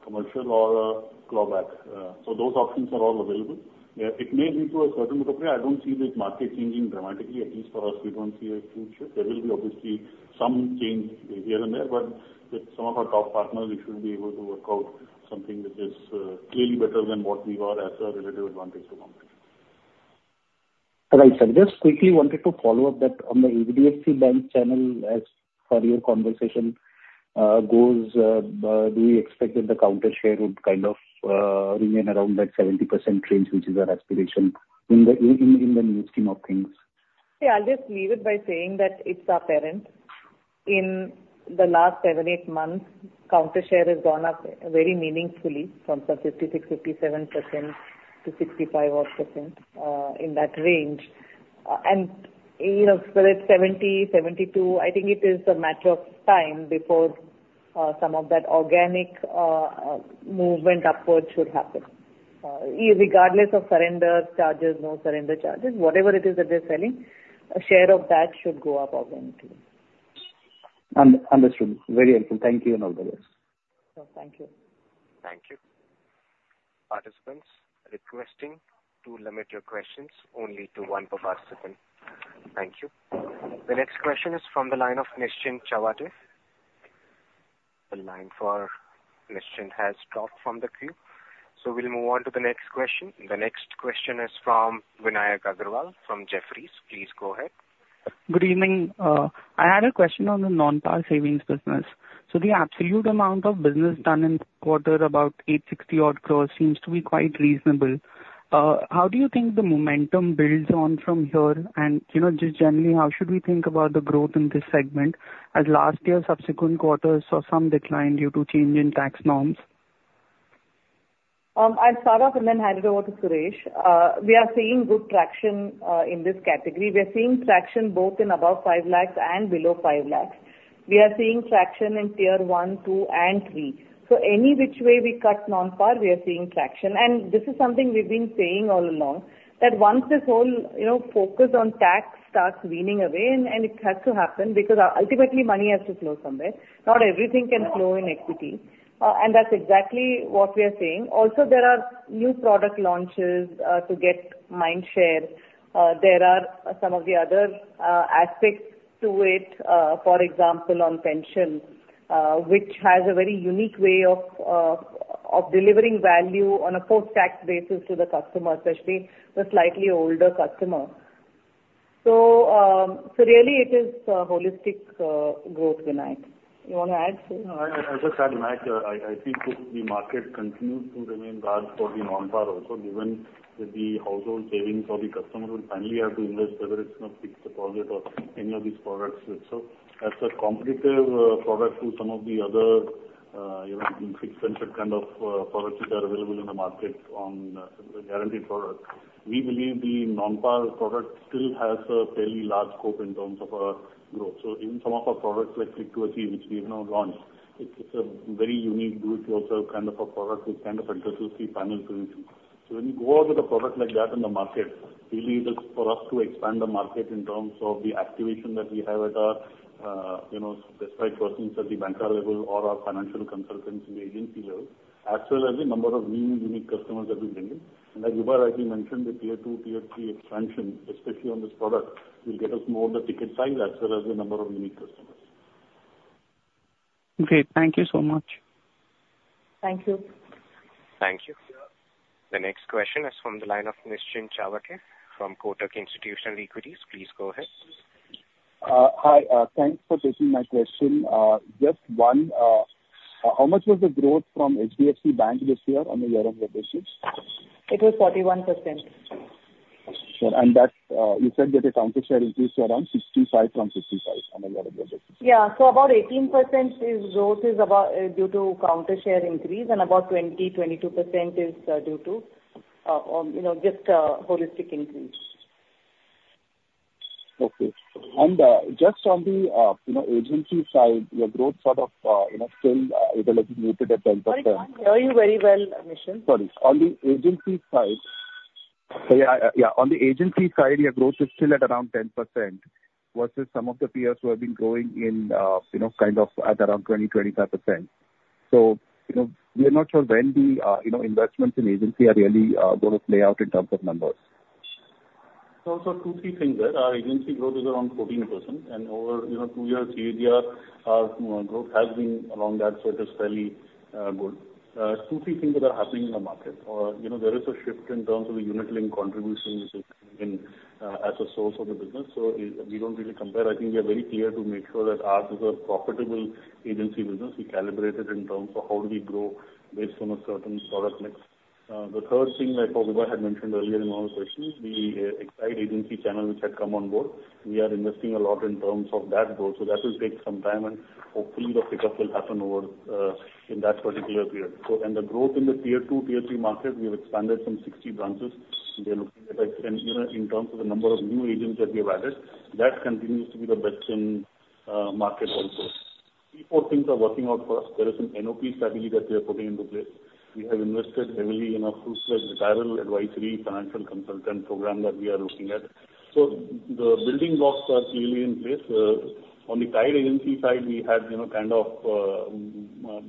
commercial or clawback. So those options are all available. It may lead to a certain degree. I don't see this market changing dramatically. At least for us, we don't see a huge shift. There will be obviously some change here and there, but with some of our top partners, we should be able to work out something which is clearly better than what we got as a relative advantage to competition. Right. So I just quickly wanted to follow up that on the HDFC Bank channel, as per your conversation, do you expect that the counter share would kind of remain around that 70% range, which is our aspiration in the new scheme of things? Yeah, I'll just leave it by saying that it's our parent. In the last 7-8 months, counter share has gone up very meaningfully from some 56%-57% to 65% or so, in that range. And, you know, so that 70%-72%, I think it is a matter of time before some of that organic movement upwards should happen. Irregardless of surrender charges, no surrender charges, whatever it is that they're selling, a share of that should go up organically. Understood. Very helpful. Thank you, and all the best. Thank you. Thank you. Participants, requesting to limit your questions only to one per participant. Thank you. The next question is from the line of Nischint Chawathe. The line for Nischint has dropped from the queue, so we'll move on to the next question. The next question is from Vinayak Agarwal from Jefferies. Please go ahead. Good evening. I had a question on the non-par savings business. So the absolute amount of business done in quarter, about 860 crore, seems to be quite reasonable. How do you think the momentum builds on from here? And, you know, just generally, how should we think about the growth in this segment, as last year's subsequent quarters saw some decline due to change in tax norms? I'll start off and then hand it over to Suresh. We are seeing good traction in this category. We are seeing traction both in above 5 lakhs and below 5 lakhs. We are seeing traction in Tier 1, 2, and 3. So any which way we cut non-par, we are seeing traction. And this is something we've been saying all along, that once this whole, you know, focus on tax starts weaning away, and it has to happen because ultimately money has to flow somewhere. Not everything can flow in equity. And that's exactly what we are seeing. Also, there are new product launches to get mind share. There are some of the other aspects to it, for example, on pension, which has a very unique way of delivering value on a post-tax basis to the customer, especially the slightly older customer. So, so really it is a holistic growth, Vinayak. You want to add, Suresh? I just add, Vinayak. I think the market continues to remain large for the non-par also, given that the household savings for the customers will finally have to invest, whether it's in a fixed deposit or any of these products. So as a competitive product to some of the other, you know, fixed interest kind of products that are available in the market or some of the guaranteed products, we believe the non-par product still has a fairly large scope in terms of growth. So in some of our products, like Click 2 Achieve, which we've now launched, it's a very unique annuity also, kind of a product which kind of addresses the financial solution. When you go out with a product like that in the market, really it is for us to expand the market in terms of the activation that we have at our, you know, distributors at the banca level or our financial consultants in the agency level, as well as the number of new unique customers that we bring in. And as Vibha rightly mentioned, the Tier 2, Tier 3 expansion, especially on this product, will get us more the ticket size as well as the number of unique customers. Great. Thank you so much. Thank you. Thank you. The next question is from the line of Nischint Chawathe from Kotak Institutional Equities. Please go ahead. Hi, thanks for taking my question. Just one, how much was the growth from HDFC Bank this year on the year of your business? It was 41%. That you said that the counter share increased around 65 from 65 on the year of business. Yeah. So about 18% is growth, is about, due to counter share increase, and about 22% is, due to, you know, just, holistic increase. Okay. And just on the, you know, agency side, your growth sort of, you know, still is a little muted at 10%. I can't hear you very well, Nischint. Sorry. On the agency side... Yeah, yeah, on the agency side, your growth is still at around 10% versus some of the peers who have been growing in, you know, kind of at around 20%-25%. So, you know, we are not sure when the, you know, investments in agency are really going to play out in terms of numbers. ... So also two, three things there. Our agency growth is around 14%, and over, you know, two years, three years, our, you know, growth has been around that, so it is fairly good. Two, three things that are happening in the market. You know, there is a shift in terms of the Unit-Linked contributions in, as a source of the business, so we, we don't really compare. I think we are very clear to make sure that ours is a profitable agency business. We calibrate it in terms of how do we grow based on a certain product mix. The third thing that probably I had mentioned earlier in one of the sessions, the Exide agency channel which had come on board, we are investing a lot in terms of that growth, so that will take some time, and hopefully the pickup will happen over in that particular period. So then the growth in the Tier 2, Tier 3 market, we have expanded some 60 branches. We are looking at like, and, you know, in terms of the number of new agents that we have added, that continues to be the best in market also. Three, four things are working out for us. There is an NOP strategy that we are putting into place. We have invested heavily in a full-service retirement advisory financial consultant program that we are looking at. So the building blocks are clearly in place. On the tied agency side, we had, you know, kind of,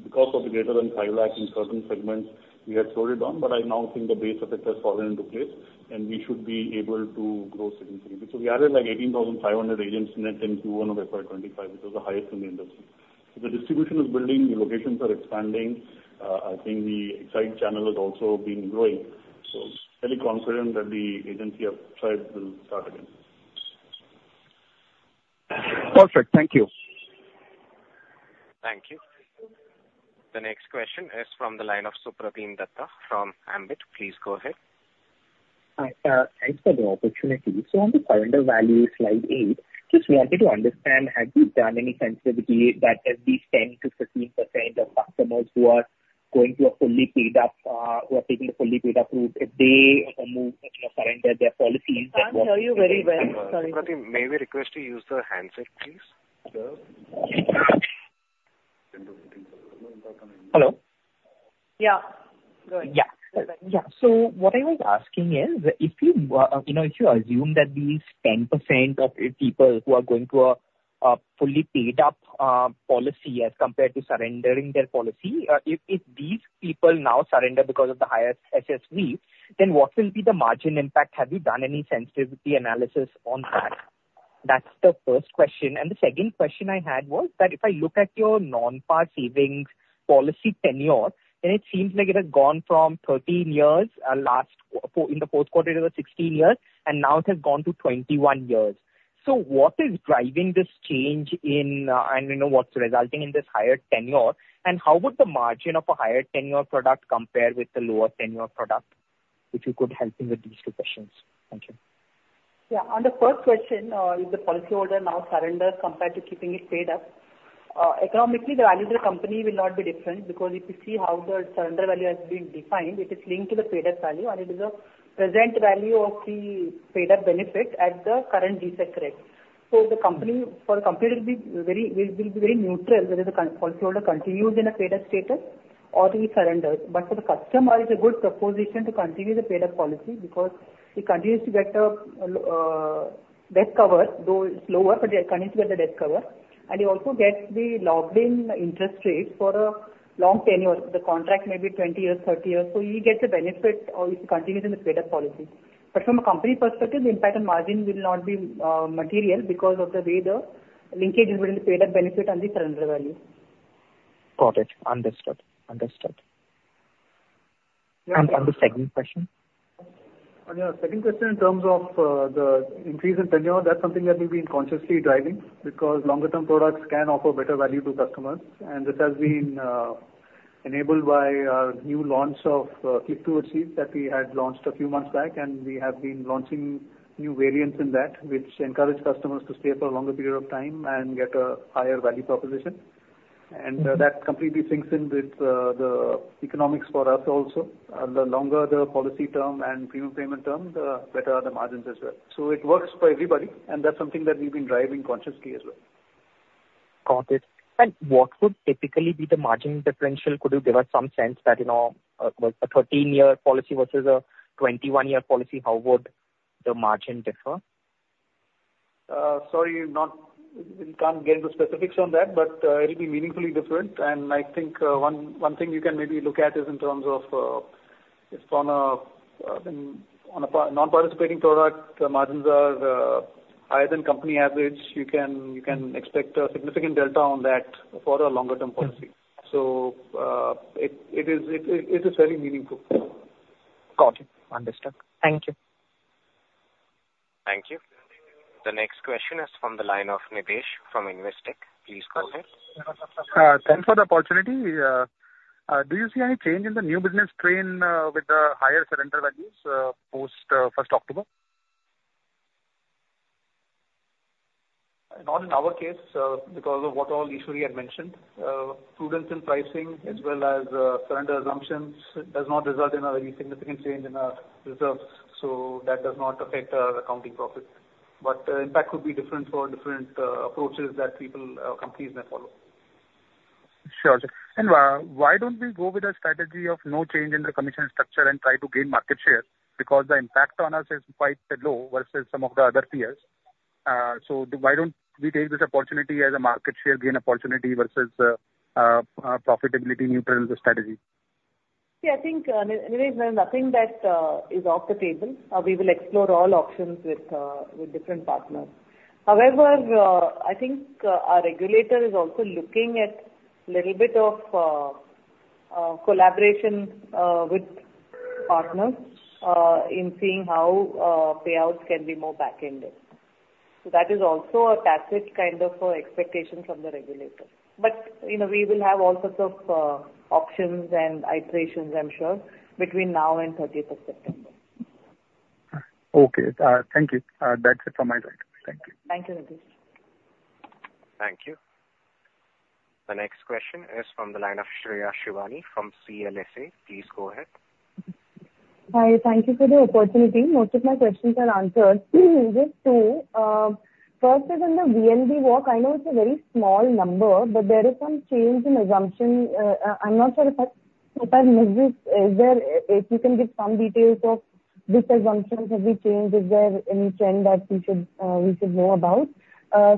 because of the greater than 5 lakh in certain segments, we had slowed it down, but I now think the base of it has fallen into place, and we should be able to grow significantly. So we added, like, 18,500 agents net in Q1 of FY 2025, which was the highest in the industry. So the distribution is building, the locations are expanding. I think the Exide channel has also been growing. So fairly confident that the agency channel will start again. Perfect. Thank you. Thank you. The next question is from the line of Supratim Datta from Ambit. Please go ahead. Hi, thanks for the opportunity. So on the Surrender Value, slide eight, just wanted to understand, have you done any sensitivity that as these 10%-15% of customers who are going to a fully paid up, who are taking the fully paid up route, if they move, you know, surrender their policies- Can't hear you very well. Sorry. Supratim, may we request you to use the handset, please? Hello? Yeah. Go ahead. Yeah. Yeah. So what I was asking is, if you, you know, if you assume that these 10% of people who are going to a fully paid up policy as compared to surrendering their policy, if these people now surrender because of the higher SSV, then what will be the margin impact? Have you done any sensitivity analysis on that? That's the first question. And the second question I had was that if I look at your non-par savings policy tenure, then it seems like it has gone from 13 years last four, in the fourth quarter it was 16 years, and now it has gone to 21 years. So what is driving this change in and, you know, what's resulting in this higher tenure? And how would the margin of a higher tenure product compare with the lower tenure product? If you could help me with these two questions. Thank you. Yeah, on the first question, if the policyholder now surrenders compared to keeping it paid-up, economically, the value of the company will not be different because if you see how the Surrender Value has been defined, it is linked to the paid-up value, and it is a present value of the paid-up benefit at the current G-Sec rate. So the company, for the company, it will be very, it will be very neutral whether the policyholder continues in a paid-up status or he surrenders. But for the customer, it's a good proposition to continue the paid-up policy because he continues to get a death cover, though it's lower, but they continue to get the death cover. And he also gets the locked-in interest rate for a long tenure. The contract may be 20 years, 30 years, so he gets a benefit if he continues in the paid-up policy. But from a company perspective, the impact on margin will not be material because of the way the linkage between the paid-up benefit and the Surrender Value. Got it. Understood. Understood. Yeah. And the second question? On your second question, in terms of the increase in tenure, that's something that we've been consciously driving, because longer term products can offer better value to customers. This has been enabled by our new launch of Click 2 Achieve that we had launched a few months back, and we have been launching new variants in that, which encourage customers to stay for a longer period of time and get a higher value proposition. Mm-hmm. That completely sinks in with the economics for us also. The longer the policy term and premium payment term, the better the margins as well. So it works for everybody, and that's something that we've been driving consciously as well. Got it. And what would typically be the margin differential? Could you give us some sense that, you know, well, a 13-year policy versus a 21-year policy, how would the margin differ? Sorry, not, we can't get into specifics on that, but, it'll be meaningfully different. I think one thing you can maybe look at is in terms of from a on a non-participating product, the margins are higher than company average. You can expect a significant delta on that for a longer-term policy. Mm-hmm. So, it is very meaningful. Got it. Understood. Thank you. Thank you. The next question is from the line of Nidhesh from Investec. Please go ahead. Thanks for the opportunity. Do you see any change in the new business trend with the higher Surrender Values post first October? Not in our case, because of what all Eshwari had mentioned. Prudence in pricing as well as surrender assumptions does not result in a very significant change in our reserves, so that does not affect our accounting profit. But the impact could be different for different approaches that people companies may follow. Sure, sure. And why don't we go with a strategy of no change in the commission structure and try to gain market share? Because the impact on us is quite low versus some of the other peers. So why don't we take this opportunity as a market share gain opportunity versus a profitability neutral strategy? ... Yeah, I think, anyways, there's nothing that is off the table. We will explore all options with different partners. However, I think our regulator is also looking at little bit of collaboration with partners in seeing how payouts can be more back-ended. So that is also a tacit kind of expectation from the regulator. But, you know, we will have all sorts of options and iterations, I'm sure, between now and 30th of September. Okay. Thank you. That's it from my side. Thank you. Thank you, Nidhesh. Thank you. The next question is from the line of Shreya Shivani from CLSA. Please go ahead. Hi, thank you for the opportunity. Most of my questions are answered. Just two. First is on the VNB walk. I know it's a very small number, but there is some change in assumption. I'm not sure if I, if I missed this. Is there? If you can give some details of which assumptions have been changed, is there any trend that we should, we should know about?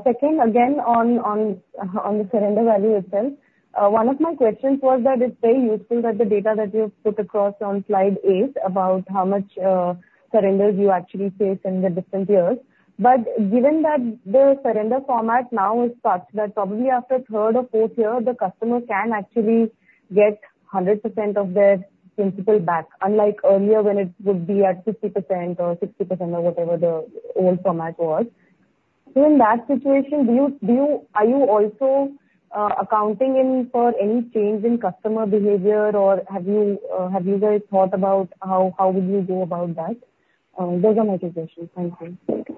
Second, again, on the Surrender Value itself. One of my questions was that it's very useful that the data that you've put across on slide eight, about how much surrenders you actually faced in the different years. But given that the surrender format now is such that probably after third or fourth year, the customer can actually get 100% of their principal back, unlike earlier, when it would be at 50% or 60% or whatever the old format was. So in that situation, do you, are you also accounting in for any change in customer behavior? Or have you guys thought about how would you go about that? Those are my two questions. Thank you.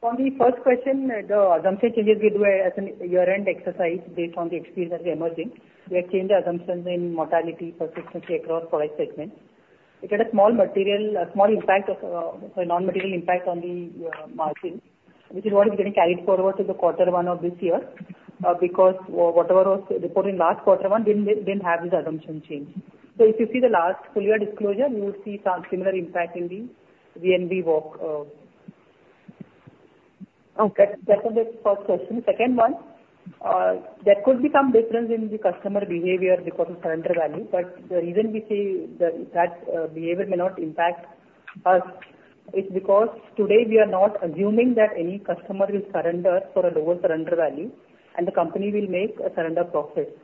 For the first question, the assumption changes we do as a year-end exercise based on the experience that is emerging. We have changed the assumptions in mortality, persistency across product segments. It had a small material, a small impact of, a non-material impact on the, margin, which is what is getting carried forward to the quarter one of this year, because whatever was reported in last quarter one didn't, didn't have this assumption change. So if you see the last full year disclosure, you will see some similar impact in the VNB walk. Okay. That, that's on the first question. Second one, there could be some difference in the customer behavior because of Surrender Value, but the reason we say that behavior may not impact us is because today we are not assuming that any customer will surrender for a lower Surrender Value, and the company will make a surrender profit.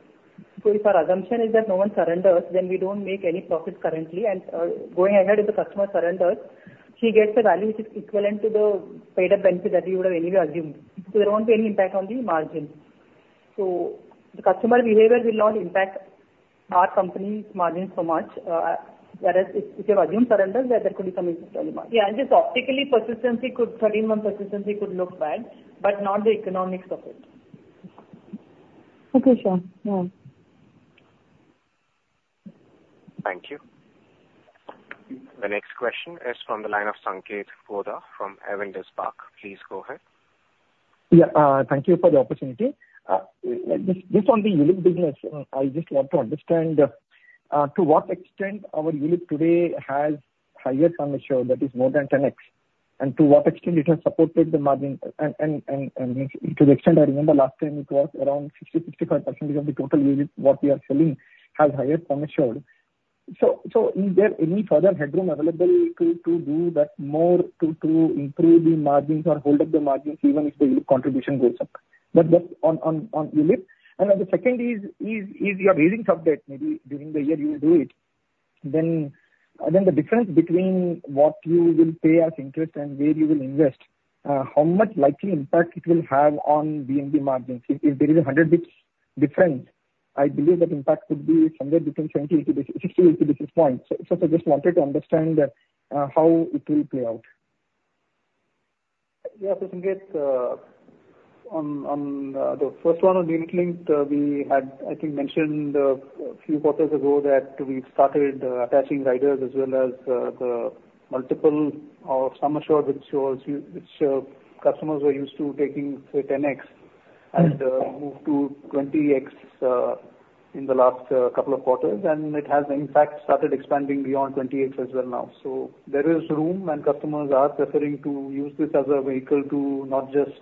So if our assumption is that no one surrenders, then we don't make any profit currently, and going ahead, if the customer surrenders, he gets a value which is equivalent to the paid up benefit that we would have anyway assumed. So there won't be any impact on the margin. So the customer behavior will not impact our company's margin so much, whereas if you have assumed surrender, there could be some impact. Yeah, and just optically, persistency could—thirteen-month persistency could look bad, but not the economics of it. Okay, sure. Yeah. Thank you. The next question is from the line of Sanket Godha from Avendus Spark. Please go ahead. Yeah. Thank you for the opportunity. Just, just on the ULIP business, I just want to understand, to what extent our ULIP today has higher sum assured, that is more than 10x, and to what extent it has supported the margin? And to the extent I remember last time it was around 60%-65% of the total unit what we are selling has higher sum assured. So is there any further headroom available to do that more, to improve the margins or hold up the margins, even if the ULIP contribution goes up? But just on ULIP. Then the second is your sub-debt raising, maybe during the year you will do it, then the difference between what you will pay as interest and where you will invest, how much likely impact it will have on VNB margins? If there is a 100 basis points difference, I believe that impact could be somewhere between 20-60 basis points. So I just wanted to understand how it will play out. Yeah, so Sanket, on the first one on Unit-Linked, we had, I think, mentioned a few quarters ago that we've started attaching riders as well as the multiple of sum assured, which customers were used to taking, say, 10x- Mm-hmm. and moved to 20x in the last couple of quarters, and it has in fact started expanding beyond 20x as well now. So there is room, and customers are preferring to use this as a vehicle to not just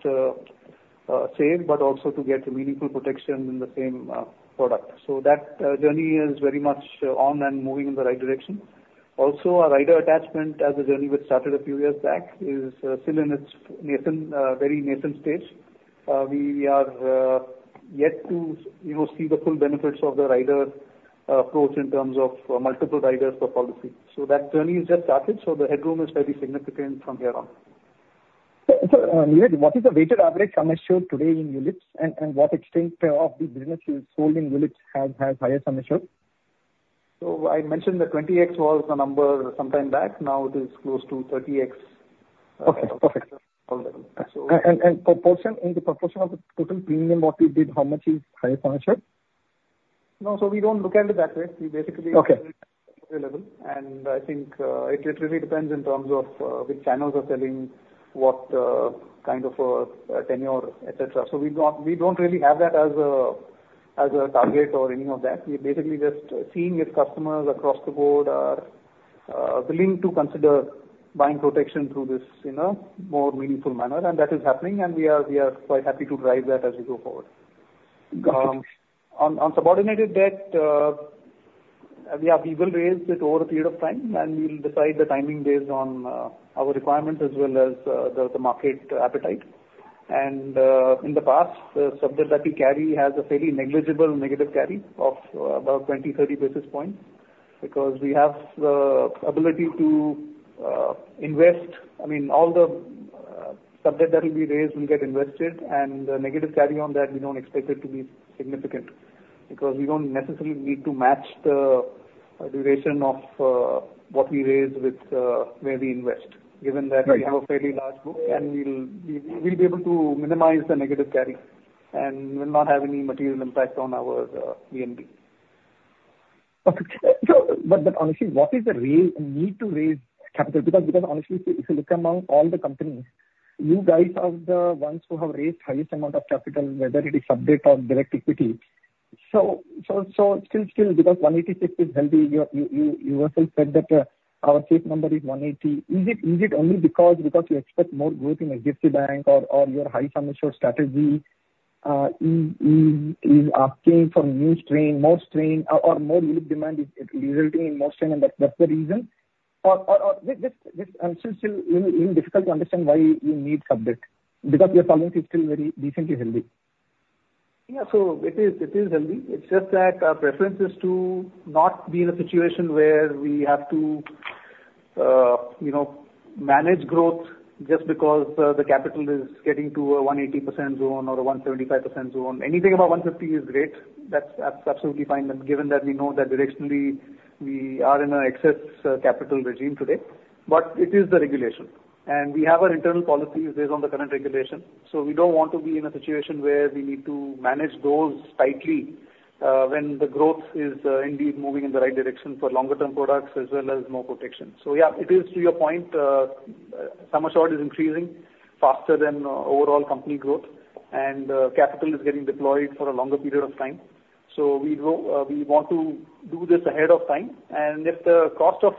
save, but also to get meaningful protection in the same product. So that journey is very much on and moving in the right direction. Also, our rider attachment as a journey which started a few years back is still in its nascent, very nascent stage. We are yet to, you know, see the full benefits of the rider approach in terms of multiple riders per policy. So that journey has just started, so the headroom is very significant from here on. So, what is the weighted average sum assured today in ULIPs, and what extent of the business is holding ULIPs have had higher sum assured? I mentioned the 20x was the number sometime back. Now it is close to 30x. Okay, perfect. So- In the proportion of the total premium, what you did, how much is higher Sum Assured? No, so we don't look at it that way. We basically- Okay. -level, and I think, it literally depends in terms of, which channels are selling what, kind of, tenure, et cetera. So we don't, we don't really have that as a, as a target or any of that. We're basically just seeing if customers across the board are-... willing to consider buying protection through this in a more meaningful manner, and that is happening, and we are quite happy to drive that as we go forward. On subordinated debt, yeah, we will raise it over a period of time, and we'll decide the timing based on our requirements as well as the market appetite. In the past, the sub-debt that we carry has a fairly negligible negative carry of about 20-30 basis points, because we have the ability to invest. I mean, all the sub-debt that will be raised will get invested, and the negative carry on that, we don't expect it to be significant because we don't necessarily need to match the duration of what we raise with where we invest. Given that- Right. We have a fairly large book, and we'll be able to minimize the negative carry and will not have any material impact on our VNB. Okay. But honestly, what is the need to raise capital? Because honestly, if you look among all the companies, you guys are the ones who have raised the highest amount of capital, whether it is sub-debt or direct equity. So still, because 186% is healthy, you also said that our safe number is 180%. Is it only because you expect more growth in bancassurance or your high sum assured strategy is asking for new strain, more strain, or more unique demand is resulting in more strain, and that's the reason? Or just, it's still really difficult to understand why you need sub-debt, because your sub-debt is still very decently healthy. Yeah. So it is, it is healthy. It's just that our preference is to not be in a situation where we have to, you know, manage growth just because the capital is getting to a 180% zone or a 135% zone. Anything above 150% is great. That's absolutely fine, and given that we know that directionally we are in an excess capital regime today. But it is the regulation, and we have our internal policies based on the current regulation. So we don't want to be in a situation where we need to manage those tightly, when the growth is indeed moving in the right direction for longer-term products as well as more protection. So yeah, it is to your point, sum assured is increasing faster than overall company growth, and capital is getting deployed for a longer period of time. So we go, we want to do this ahead of time, and if the cost of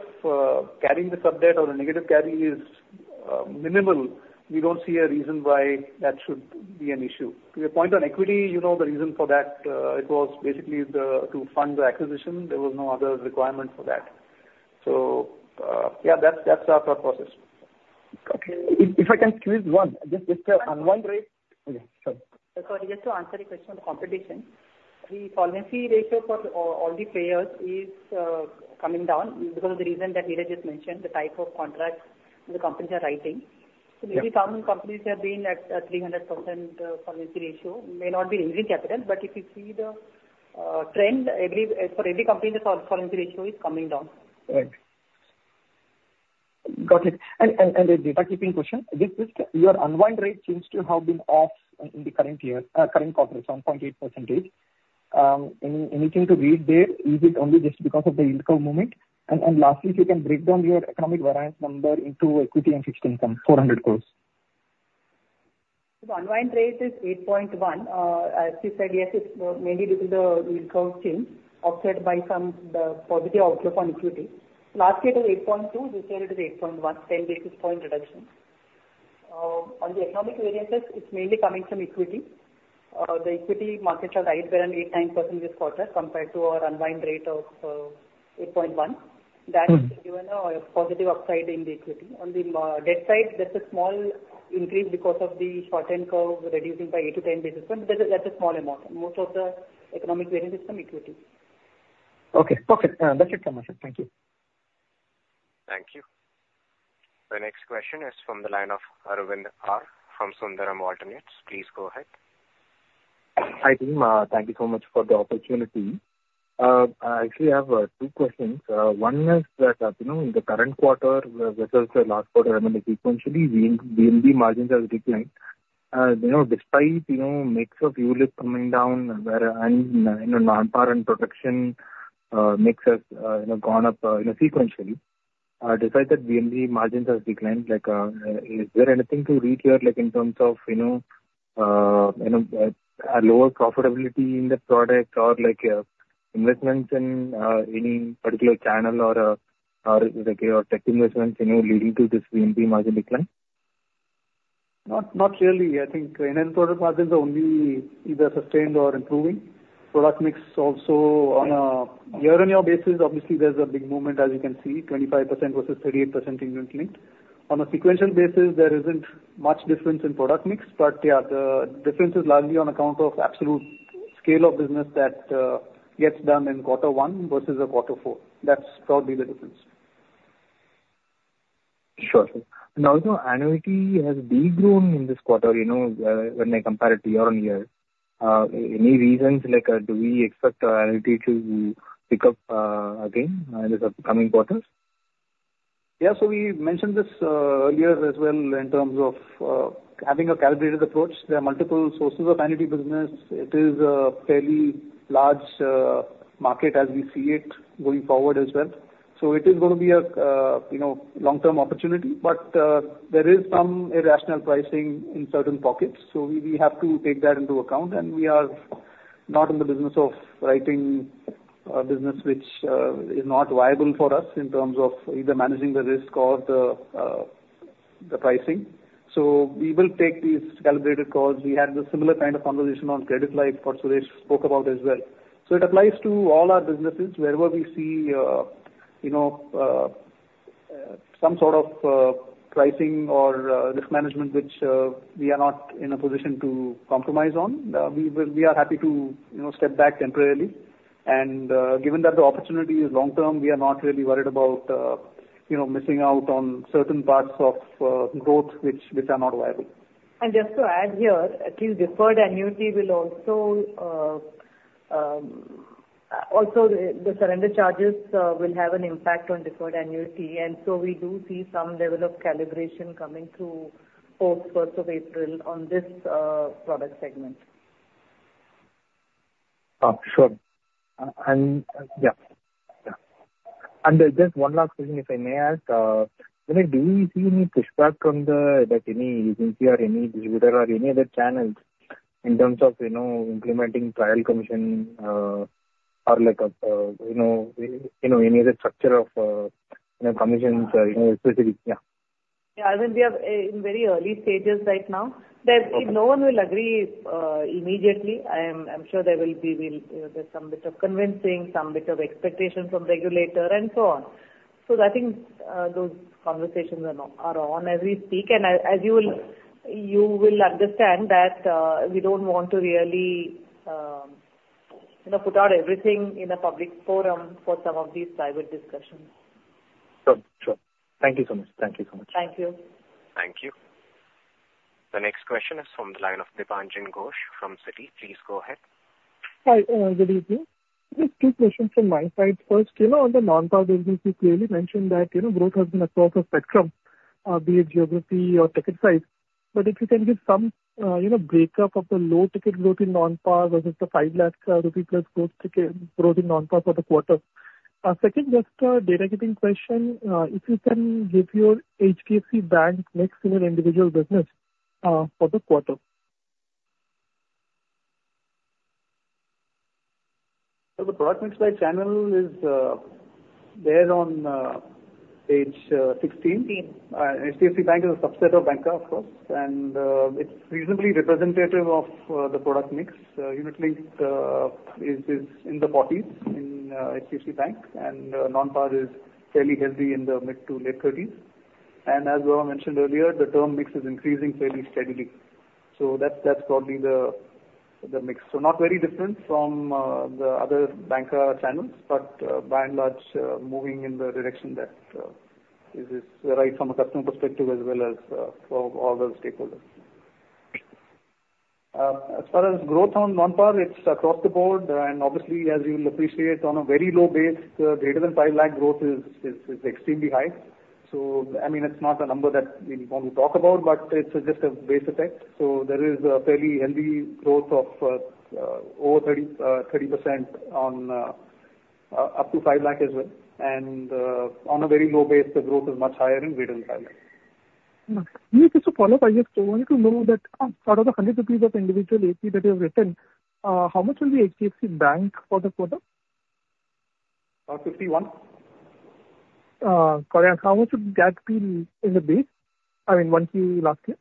carrying the subject or the negative carry is minimal, we don't see a reason why that should be an issue. To your point on equity, you know, the reason for that, it was basically the, to fund the acquisition. There was no other requirement for that. So, yeah, that's, that's our thought process. Okay. If I can squeeze one, just on one rate... Okay, sorry. Sorry, just to answer the question on competition, the solvency ratio for all the players is coming down because the reason that Niraj just mentioned, the type of contracts the companies are writing. Yeah. So maybe some companies have been at 300% solvency ratio, may not be raising capital, but if you see the trend, every for every company, the solvency ratio is coming down. Right. Got it. A data keeping question. Just your unwind rate seems to have been off in the current year, current quarter, 0.8 percentage. Anything to read there? Is it only just because of the income movement? And lastly, if you can break down your economic variance number into equity and fixed income, 400 crores. The unwind rate is 8.1%. As you said, yes, it's mainly due to the yield curve change, offset by some, the positive outflow on equity. Last year it was 8.2%, this year it is 8.1%, 10 basis point reduction. On the economic variances, it's mainly coming from equity. The equity markets have raised around 8%-9% this quarter, compared to our unwind rate of, 8.1%. Mm-hmm. That's given a positive upside in the equity. On the debt side, there's a small increase because of the shortened curve reducing by 8-10 basis points. But that's a small amount. Most of the economic variance is from equity. Okay. Perfect. That's it from my side. Thank you. Thank you. The next question is from the line of Aravind R from Sundaram Alternates. Please go ahead. Hi, team. Thank you so much for the opportunity. I actually have two questions. One is that, you know, in the current quarter versus the last quarter, I mean, sequentially, VNB margins have declined. You know, despite, you know, mix of ULIP coming down and, and, you know, non-par and protection mix has, you know, gone up, you know, sequentially. Despite that VNB margins have declined, like, is there anything to read here, like in terms of, you know, you know, a lower profitability in the product or like, investments in any particular channel or, or like your tech investments, any leading to this VNB margin decline? Not, not really. I think end product margins are only either sustained or improving. Product mix also on a year-over-year basis, obviously there's a big movement, as you can see, 25% versus 38% in Unit-Linked. On a sequential basis, there isn't much difference in product mix. But yeah, the difference is largely on account of absolute scale of business that gets done in quarter one versus a quarter four. That's probably the difference. Sure, sir. Now, you know, annuity has de-grown in this quarter, you know, when I compare it to year-on-year. Any reasons like, do we expect our annuity to pick up, again in the upcoming quarters? Yeah, so we mentioned this earlier as well in terms of having a calibrated approach. There are multiple sources of annuity business. It is a fairly large market as we see it going forward as well. So it is going to be a you know long-term opportunity, but there is some irrational pricing in certain pockets, so we have to take that into account, and we are not in the business of writing a business which is not viable for us in terms of either managing the risk or the pricing. So we will take these calibrated calls. We had a similar kind of conversation on credit life, what Suresh spoke about as well. So it applies to all our businesses wherever we see, you know, some sort of pricing or risk management, which we are not in a position to compromise on. We are happy to, you know, step back temporarily. Given that the opportunity is long term, we are not really worried about, you know, missing out on certain parts of growth, which are not viable. And just to add here, at least deferred annuity will also the surrender charges will have an impact on deferred annuity, and so we do see some level of calibration coming through post first of April on this product segment. Sure. And, yeah. Yeah. And just one last question, if I may ask. Do you see any pushback on the, that any agency or any distributor or any other channels in terms of, you know, implementing trial commission, or like, up, you know, you know, any other structure of, you know, commissions, you know, specifically? Yeah. Yeah, I mean, we are in very early stages right now. There- Okay. No one will agree immediately. I'm sure there will be, you know, there's some bit of convincing, some bit of expectation from regulator and so on. So I think those conversations are on as we speak. And as you will understand that we don't want to really, you know, put out everything in a public forum for some of these private discussions. Sure, sure. Thank you so much. Thank you so much. Thank you. Thank you. The next question is from the line of Dipanjan Ghosh from Citi. Please go ahead. Hi, good evening. Just two questions from my side. First, you know, on the non-par business, you clearly mentioned that, you know, growth has been across the spectrum, be it geography or ticket size. But if you can give some, you know, breakup of the low ticket growth in non-par versus the 5 lakh rupee plus growth ticket, growth in non-par for the quarter. Second, just a data-keeping question. If you can give your HDFC Bank next individual business, for the quarter. So the product mix by channel is there on page 16. HDFC Bank is a subset of banca, of course, and it's reasonably representative of the product mix. Unit-Linked is in the 40s in HDFC Bank, and non-par is fairly healthy in the mid- to late 30s. And as Rohan mentioned earlier, the term mix is increasing fairly steadily. So that's probably the mix. So not very different from the other banca channels, but by and large moving in the direction that is right from a customer perspective as well as for all the stakeholders. As far as growth on non-par, it's across the board, and obviously, as you will appreciate, on a very low base, the greater than 5 lakh growth is extremely high. I mean, it's not a number that we want to talk about, but it's just a base effect. There is a fairly healthy growth of over 30%, 30% on up to 5 lakh as well. On a very low base, the growth is much higher in greater than INR 5 lakh. Just a follow-up. I just wanted to know that out of the 100 rupees of individual AP that you have written, how much will be HDFC Bank for the quarter? Uh, 51%. Correct. How much would that be as a base? I mean, one key last year.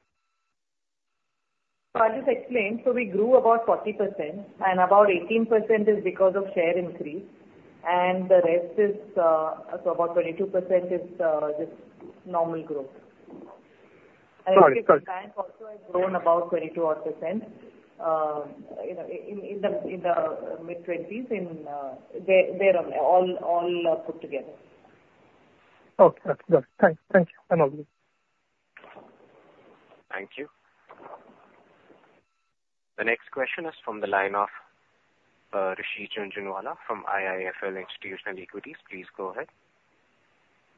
I'll just explain. We grew about 40%, and about 18% is because of share increase, and the rest is, so about 22% is, just normal growth. Sorry, sorry. I think the bank also has grown about 22 odd percent, you know, in the mid-20s in there all put together. Okay. That's good. Thanks. Thank you. I'm all good. Thank you. The next question is from the line of Rishi Jhunjhunwala from IIFL Institutional Equities. Please go ahead.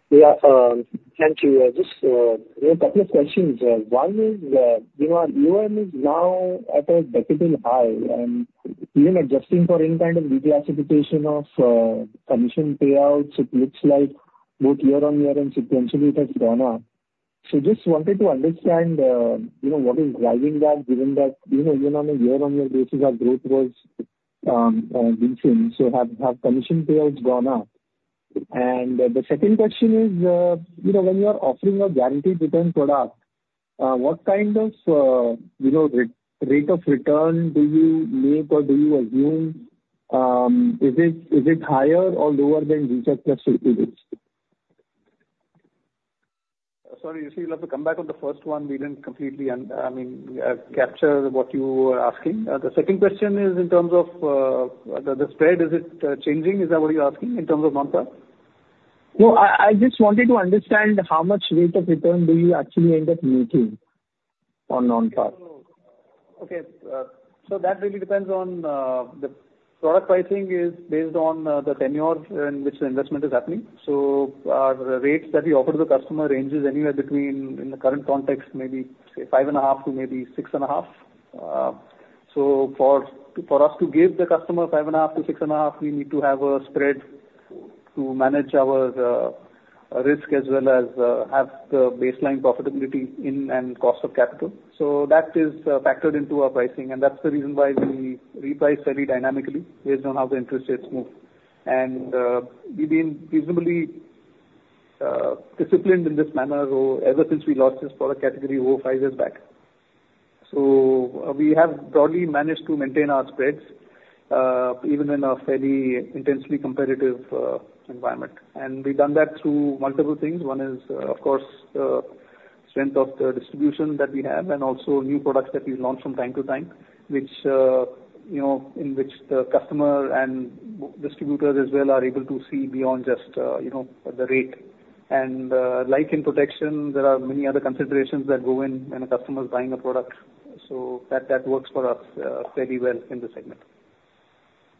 Yeah, thank you. Just, there are a couple of questions. One is, you know, EOM is now at a decade-high, and even adjusting for any kind of declassification of commission payouts, it looks like both year-on-year and sequentially it has gone up. So just wanted to understand, you know, what is driving that, given that, you know, even on a year-on-year basis, our growth was decent, so have commission payouts gone up? And the second question is, you know, when you are offering a guaranteed return product, what kind of, you know, rate of return do you make or do you assume? Is it higher or lower than rates just previously? Sorry, Rishi, you'll have to come back on the first one. We didn't completely, I mean, capture what you were asking. The second question is in terms of the spread, is it changing? Is that what you're asking, in terms of non-par? No, I just wanted to understand how much rate of return do you actually end up making on non-par? Okay. So that really depends on the product pricing is based on the tenure in which the investment is happening. So the rates that we offer the customer ranges anywhere between, in the current context, maybe say, 5.5%-6.5%. So for us to give the customer 5.5%-6.5%, we need to have a spread to manage our risk as well as have the baseline profitability in and cost of capital. So that is factored into our pricing, and that's the reason why we reprice fairly dynamically based on how the interest rates move. And we've been reasonably disciplined in this manner, so ever since we launched this product category over 5 years back. So we have broadly managed to maintain our spreads, even in a fairly intensely competitive environment. And we've done that through multiple things. One is, of course, strength of the distribution that we have and also new products that we launch from time to time, which, you know, in which the customer and distributors as well are able to see beyond just, you know, the rate. And, like in protection, there are many other considerations that go in when a customer is buying a product, so that, that works for us, fairly well in this segment.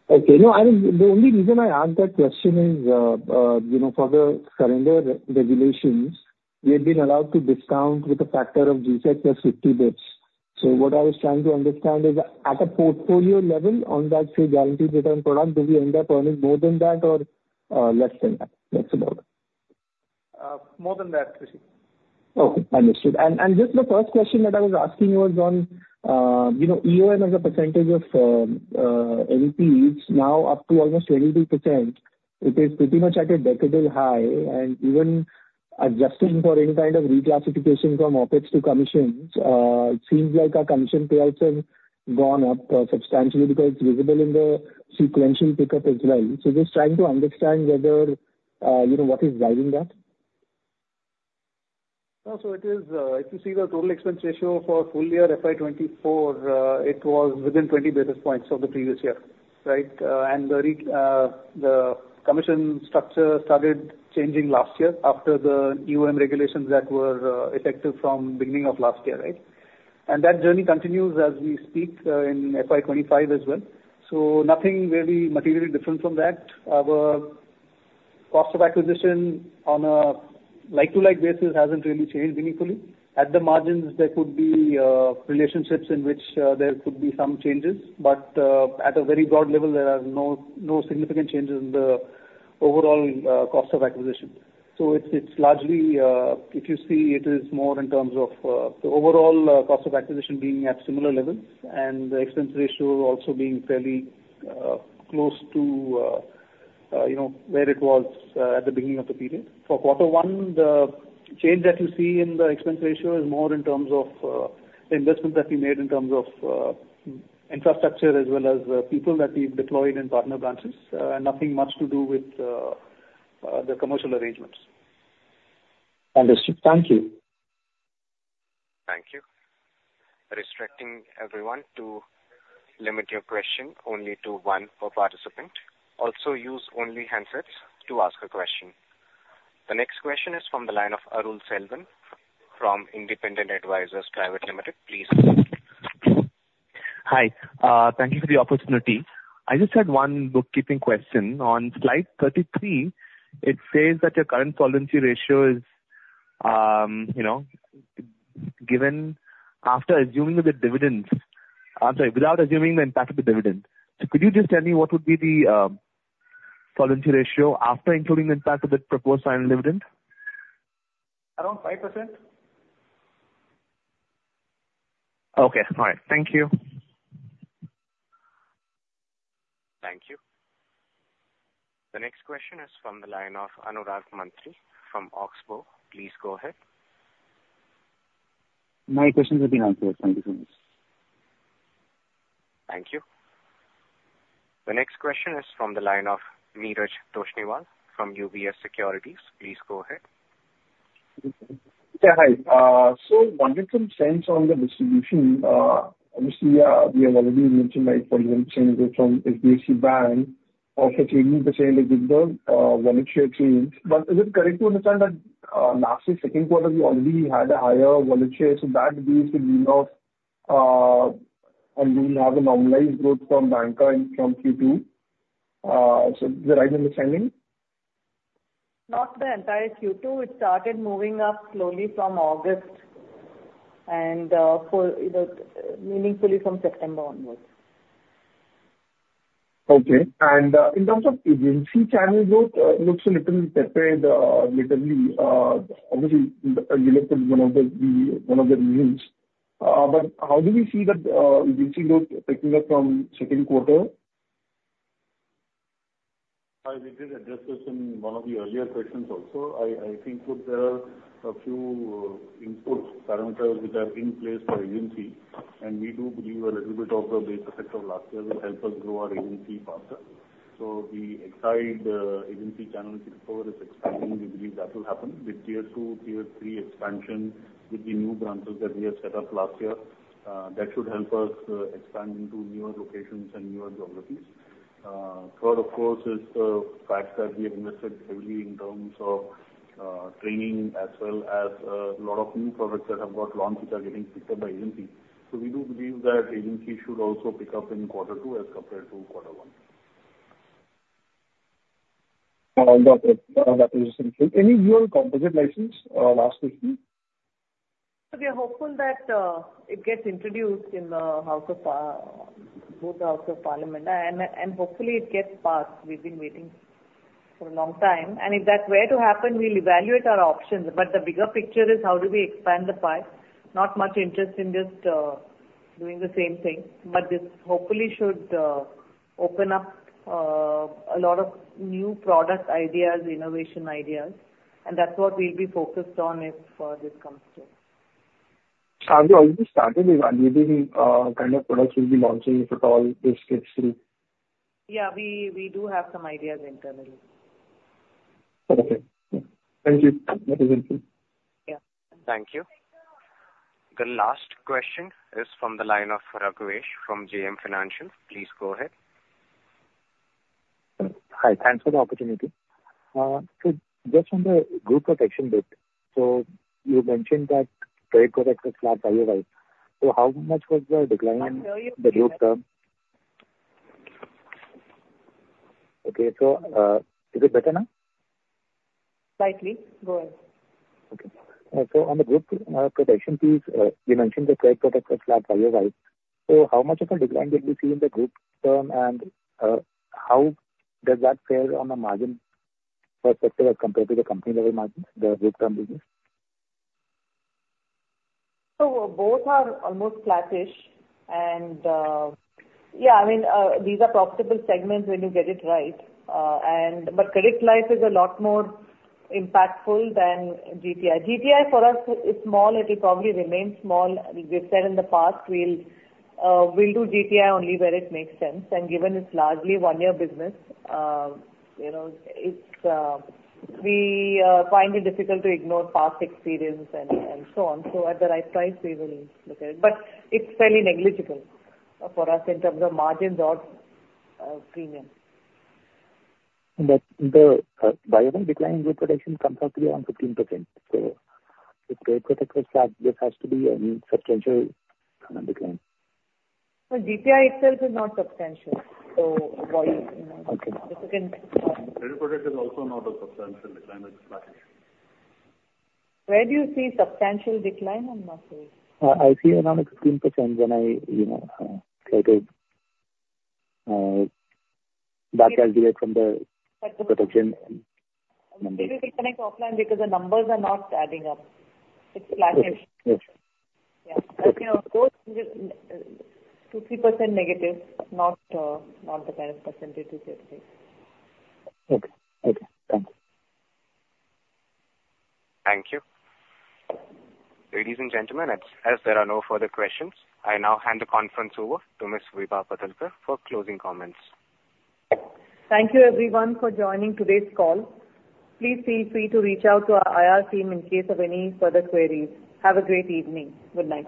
Okay. No, I mean, the only reason I ask that question is, you know, for the surrender regulations, we have been allowed to discount with a factor of G-Sec plus 50 basis points. So what I was trying to understand is, at a portfolio level on that same guaranteed return product, do we end up earning more than that or, less than that? That's about it. More than that, Rishi. Okay, understood. And, and just the first question that I was asking you was on, you know, EOM as a percentage of, APE, now up to almost 22%. It is pretty much at a decadal high, and even adjusting for any kind of reclassification from OpEx to commissions, it seems like our commission payouts have gone up, substantially because it's visible in the sequential pickup as well. So just trying to understand whether, you know, what is driving that? So it is, if you see the total expense ratio for full year FY 2024, it was within 20 basis points of the previous year, right? And the commission structure started changing last year after the UAM regulations that were effective from beginning of last year, right? And that journey continues as we speak, in FY 2025 as well. So nothing will be materially different from that. Our cost of acquisition on a like-to-like basis hasn't really changed meaningfully. At the margins, there could be relationships in which there could be some changes, but at a very broad level, there are no significant changes in the overall cost of acquisition. So it's, it's largely, if you see, it is more in terms of, the overall, cost of acquisition being at similar levels and the expense ratio also being fairly, close to, you know, where it was, at the beginning of the period. For quarter one, the change that you see in the expense ratio is more in terms of, the investments that we made in terms of, infrastructure as well as, people that we've deployed in partner branches, nothing much to do with, the commercial arrangements. Understood. Thank you. Thank you. Requesting everyone to limit your question only to one per participant. Also, use only handsets to ask a question. The next question is from the line of Arul Selvan from Independent Advisors Private Limited. Please go ahead. Hi. Thank you for the opportunity. I just had one bookkeeping question. On slide 33, it says that your current solvency ratio is, you know, given after assuming the dividends... I'm sorry, without assuming the impact of the dividend. So could you just tell me what would be the solvency ratio after including the impact of the proposed final dividend? Around 5%. Okay. All right. Thank you. Thank you. The next question is from the line of Anurag Mantry from Oxbow. Please go ahead. My questions have been answered. Thank you so much. Thank you. The next question is from the line of Neeraj Toshniwal from UBS Securities. Please go ahead. Yeah, hi. So wanted some sense on the distribution. Obviously, we have already mentioned, like, for example, from HDFC Bank, also changing the share with the volume share change. But is it correct to understand that last year, second quarter, you already had a higher volume share, so that we used to bring off, and we'll have a normalized growth from banker and from Q2. So is that right understanding? Not the entire Q2. It started moving up slowly from August and, you know, meaningfully from September onwards. Okay. In terms of agency channel growth, looks a little tepid lately. Obviously, you looked at one of the reasons, but how do we see that agency growth picking up from second quarter? We did address this in one of the earlier questions also. I think with a few input parameters which are in place for agency, and we do believe a little bit of the base effect of last year will help us grow our agency faster. So the existing agency channel forward is expanding. We believe that will happen with Tier 2, Tier 3 expansion, with the new branches that we have set up last year. That should help us expand into newer locations and newer geographies. Third, of course, is the fact that we have invested heavily in terms of training as well as a lot of new products that have got launched, which are getting picked up by agency. So we do believe that agency should also pick up in quarter two as compared to quarter one. On that, any update on composite license, last question?... So we are hopeful that it gets introduced in the House of Parliament, both Houses of Parliament, and hopefully it gets passed. We've been waiting for a long time, and if that were to happen, we'll evaluate our options. But the bigger picture is: how do we expand the pie? Not much interest in just doing the same thing, but this hopefully should open up a lot of new product ideas, innovation ideas, and that's what we'll be focused on if this comes through. Have you already started evaluating, kind of products you'll be launching if at all this gets through? Yeah, we do have some ideas internally. Okay. Thank you. That is helpful. Yeah. Thank you. The last question is from the line of Raghvesh from JM Financial. Please go ahead. Hi, thanks for the opportunity. So just on the group protection bit, so you mentioned that credit growth was flat year-over-year. So how much was the decline in the group term? Okay, so, is it better now? Slightly. Go ahead. Okay. So on the group protection piece, you mentioned the credit growth was flat year-over-year. So how much of a decline did we see in the group term, and how does that fare on a margin perspective as compared to the company-level margins, the group term business? So both are almost flattish and, yeah, I mean, these are profitable segments when you get it right. And but credit life is a lot more impactful than GTI. GTI for us is small. It'll probably remain small. We've said in the past, we'll, we'll do GTI only where it makes sense, and given it's largely one-year business, you know, it's, we find it difficult to ignore past experience and, and so on. So at the right price, we will look at it, but it's fairly negligible for us in terms of margins or, premium. But the year-over-year decline in group protection comes out to be around 15%. So if credit protection is flat, this has to be a substantial kind of decline. So GTI itself is not substantial, so volume, you know. Okay. The second, Credit product is also not a substantial decline, it's flattish. Where do you see substantial decline on my page? I see it on 15% when I, you know, try to back calculate from the protection. Maybe we connect offline, because the numbers are not adding up. It's flattish. Yes. Yes. Yeah. Okay, those 2%-3% negative, not the kind of percentage you're saying. Okay. Okay, thank you. Thank you. Ladies and gentlemen, as there are no further questions, I now hand the conference over to Ms. Vibha Padalkar for closing comments. Thank you everyone for joining today's call. Please feel free to reach out to our IR team in case of any further queries. Have a great evening. Good night.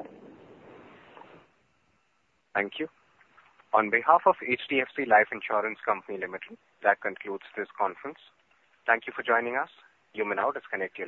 Thank you. On behalf of HDFC Life Insurance Company Limited, that concludes this conference. Thank you for joining us. You may now disconnect your lines.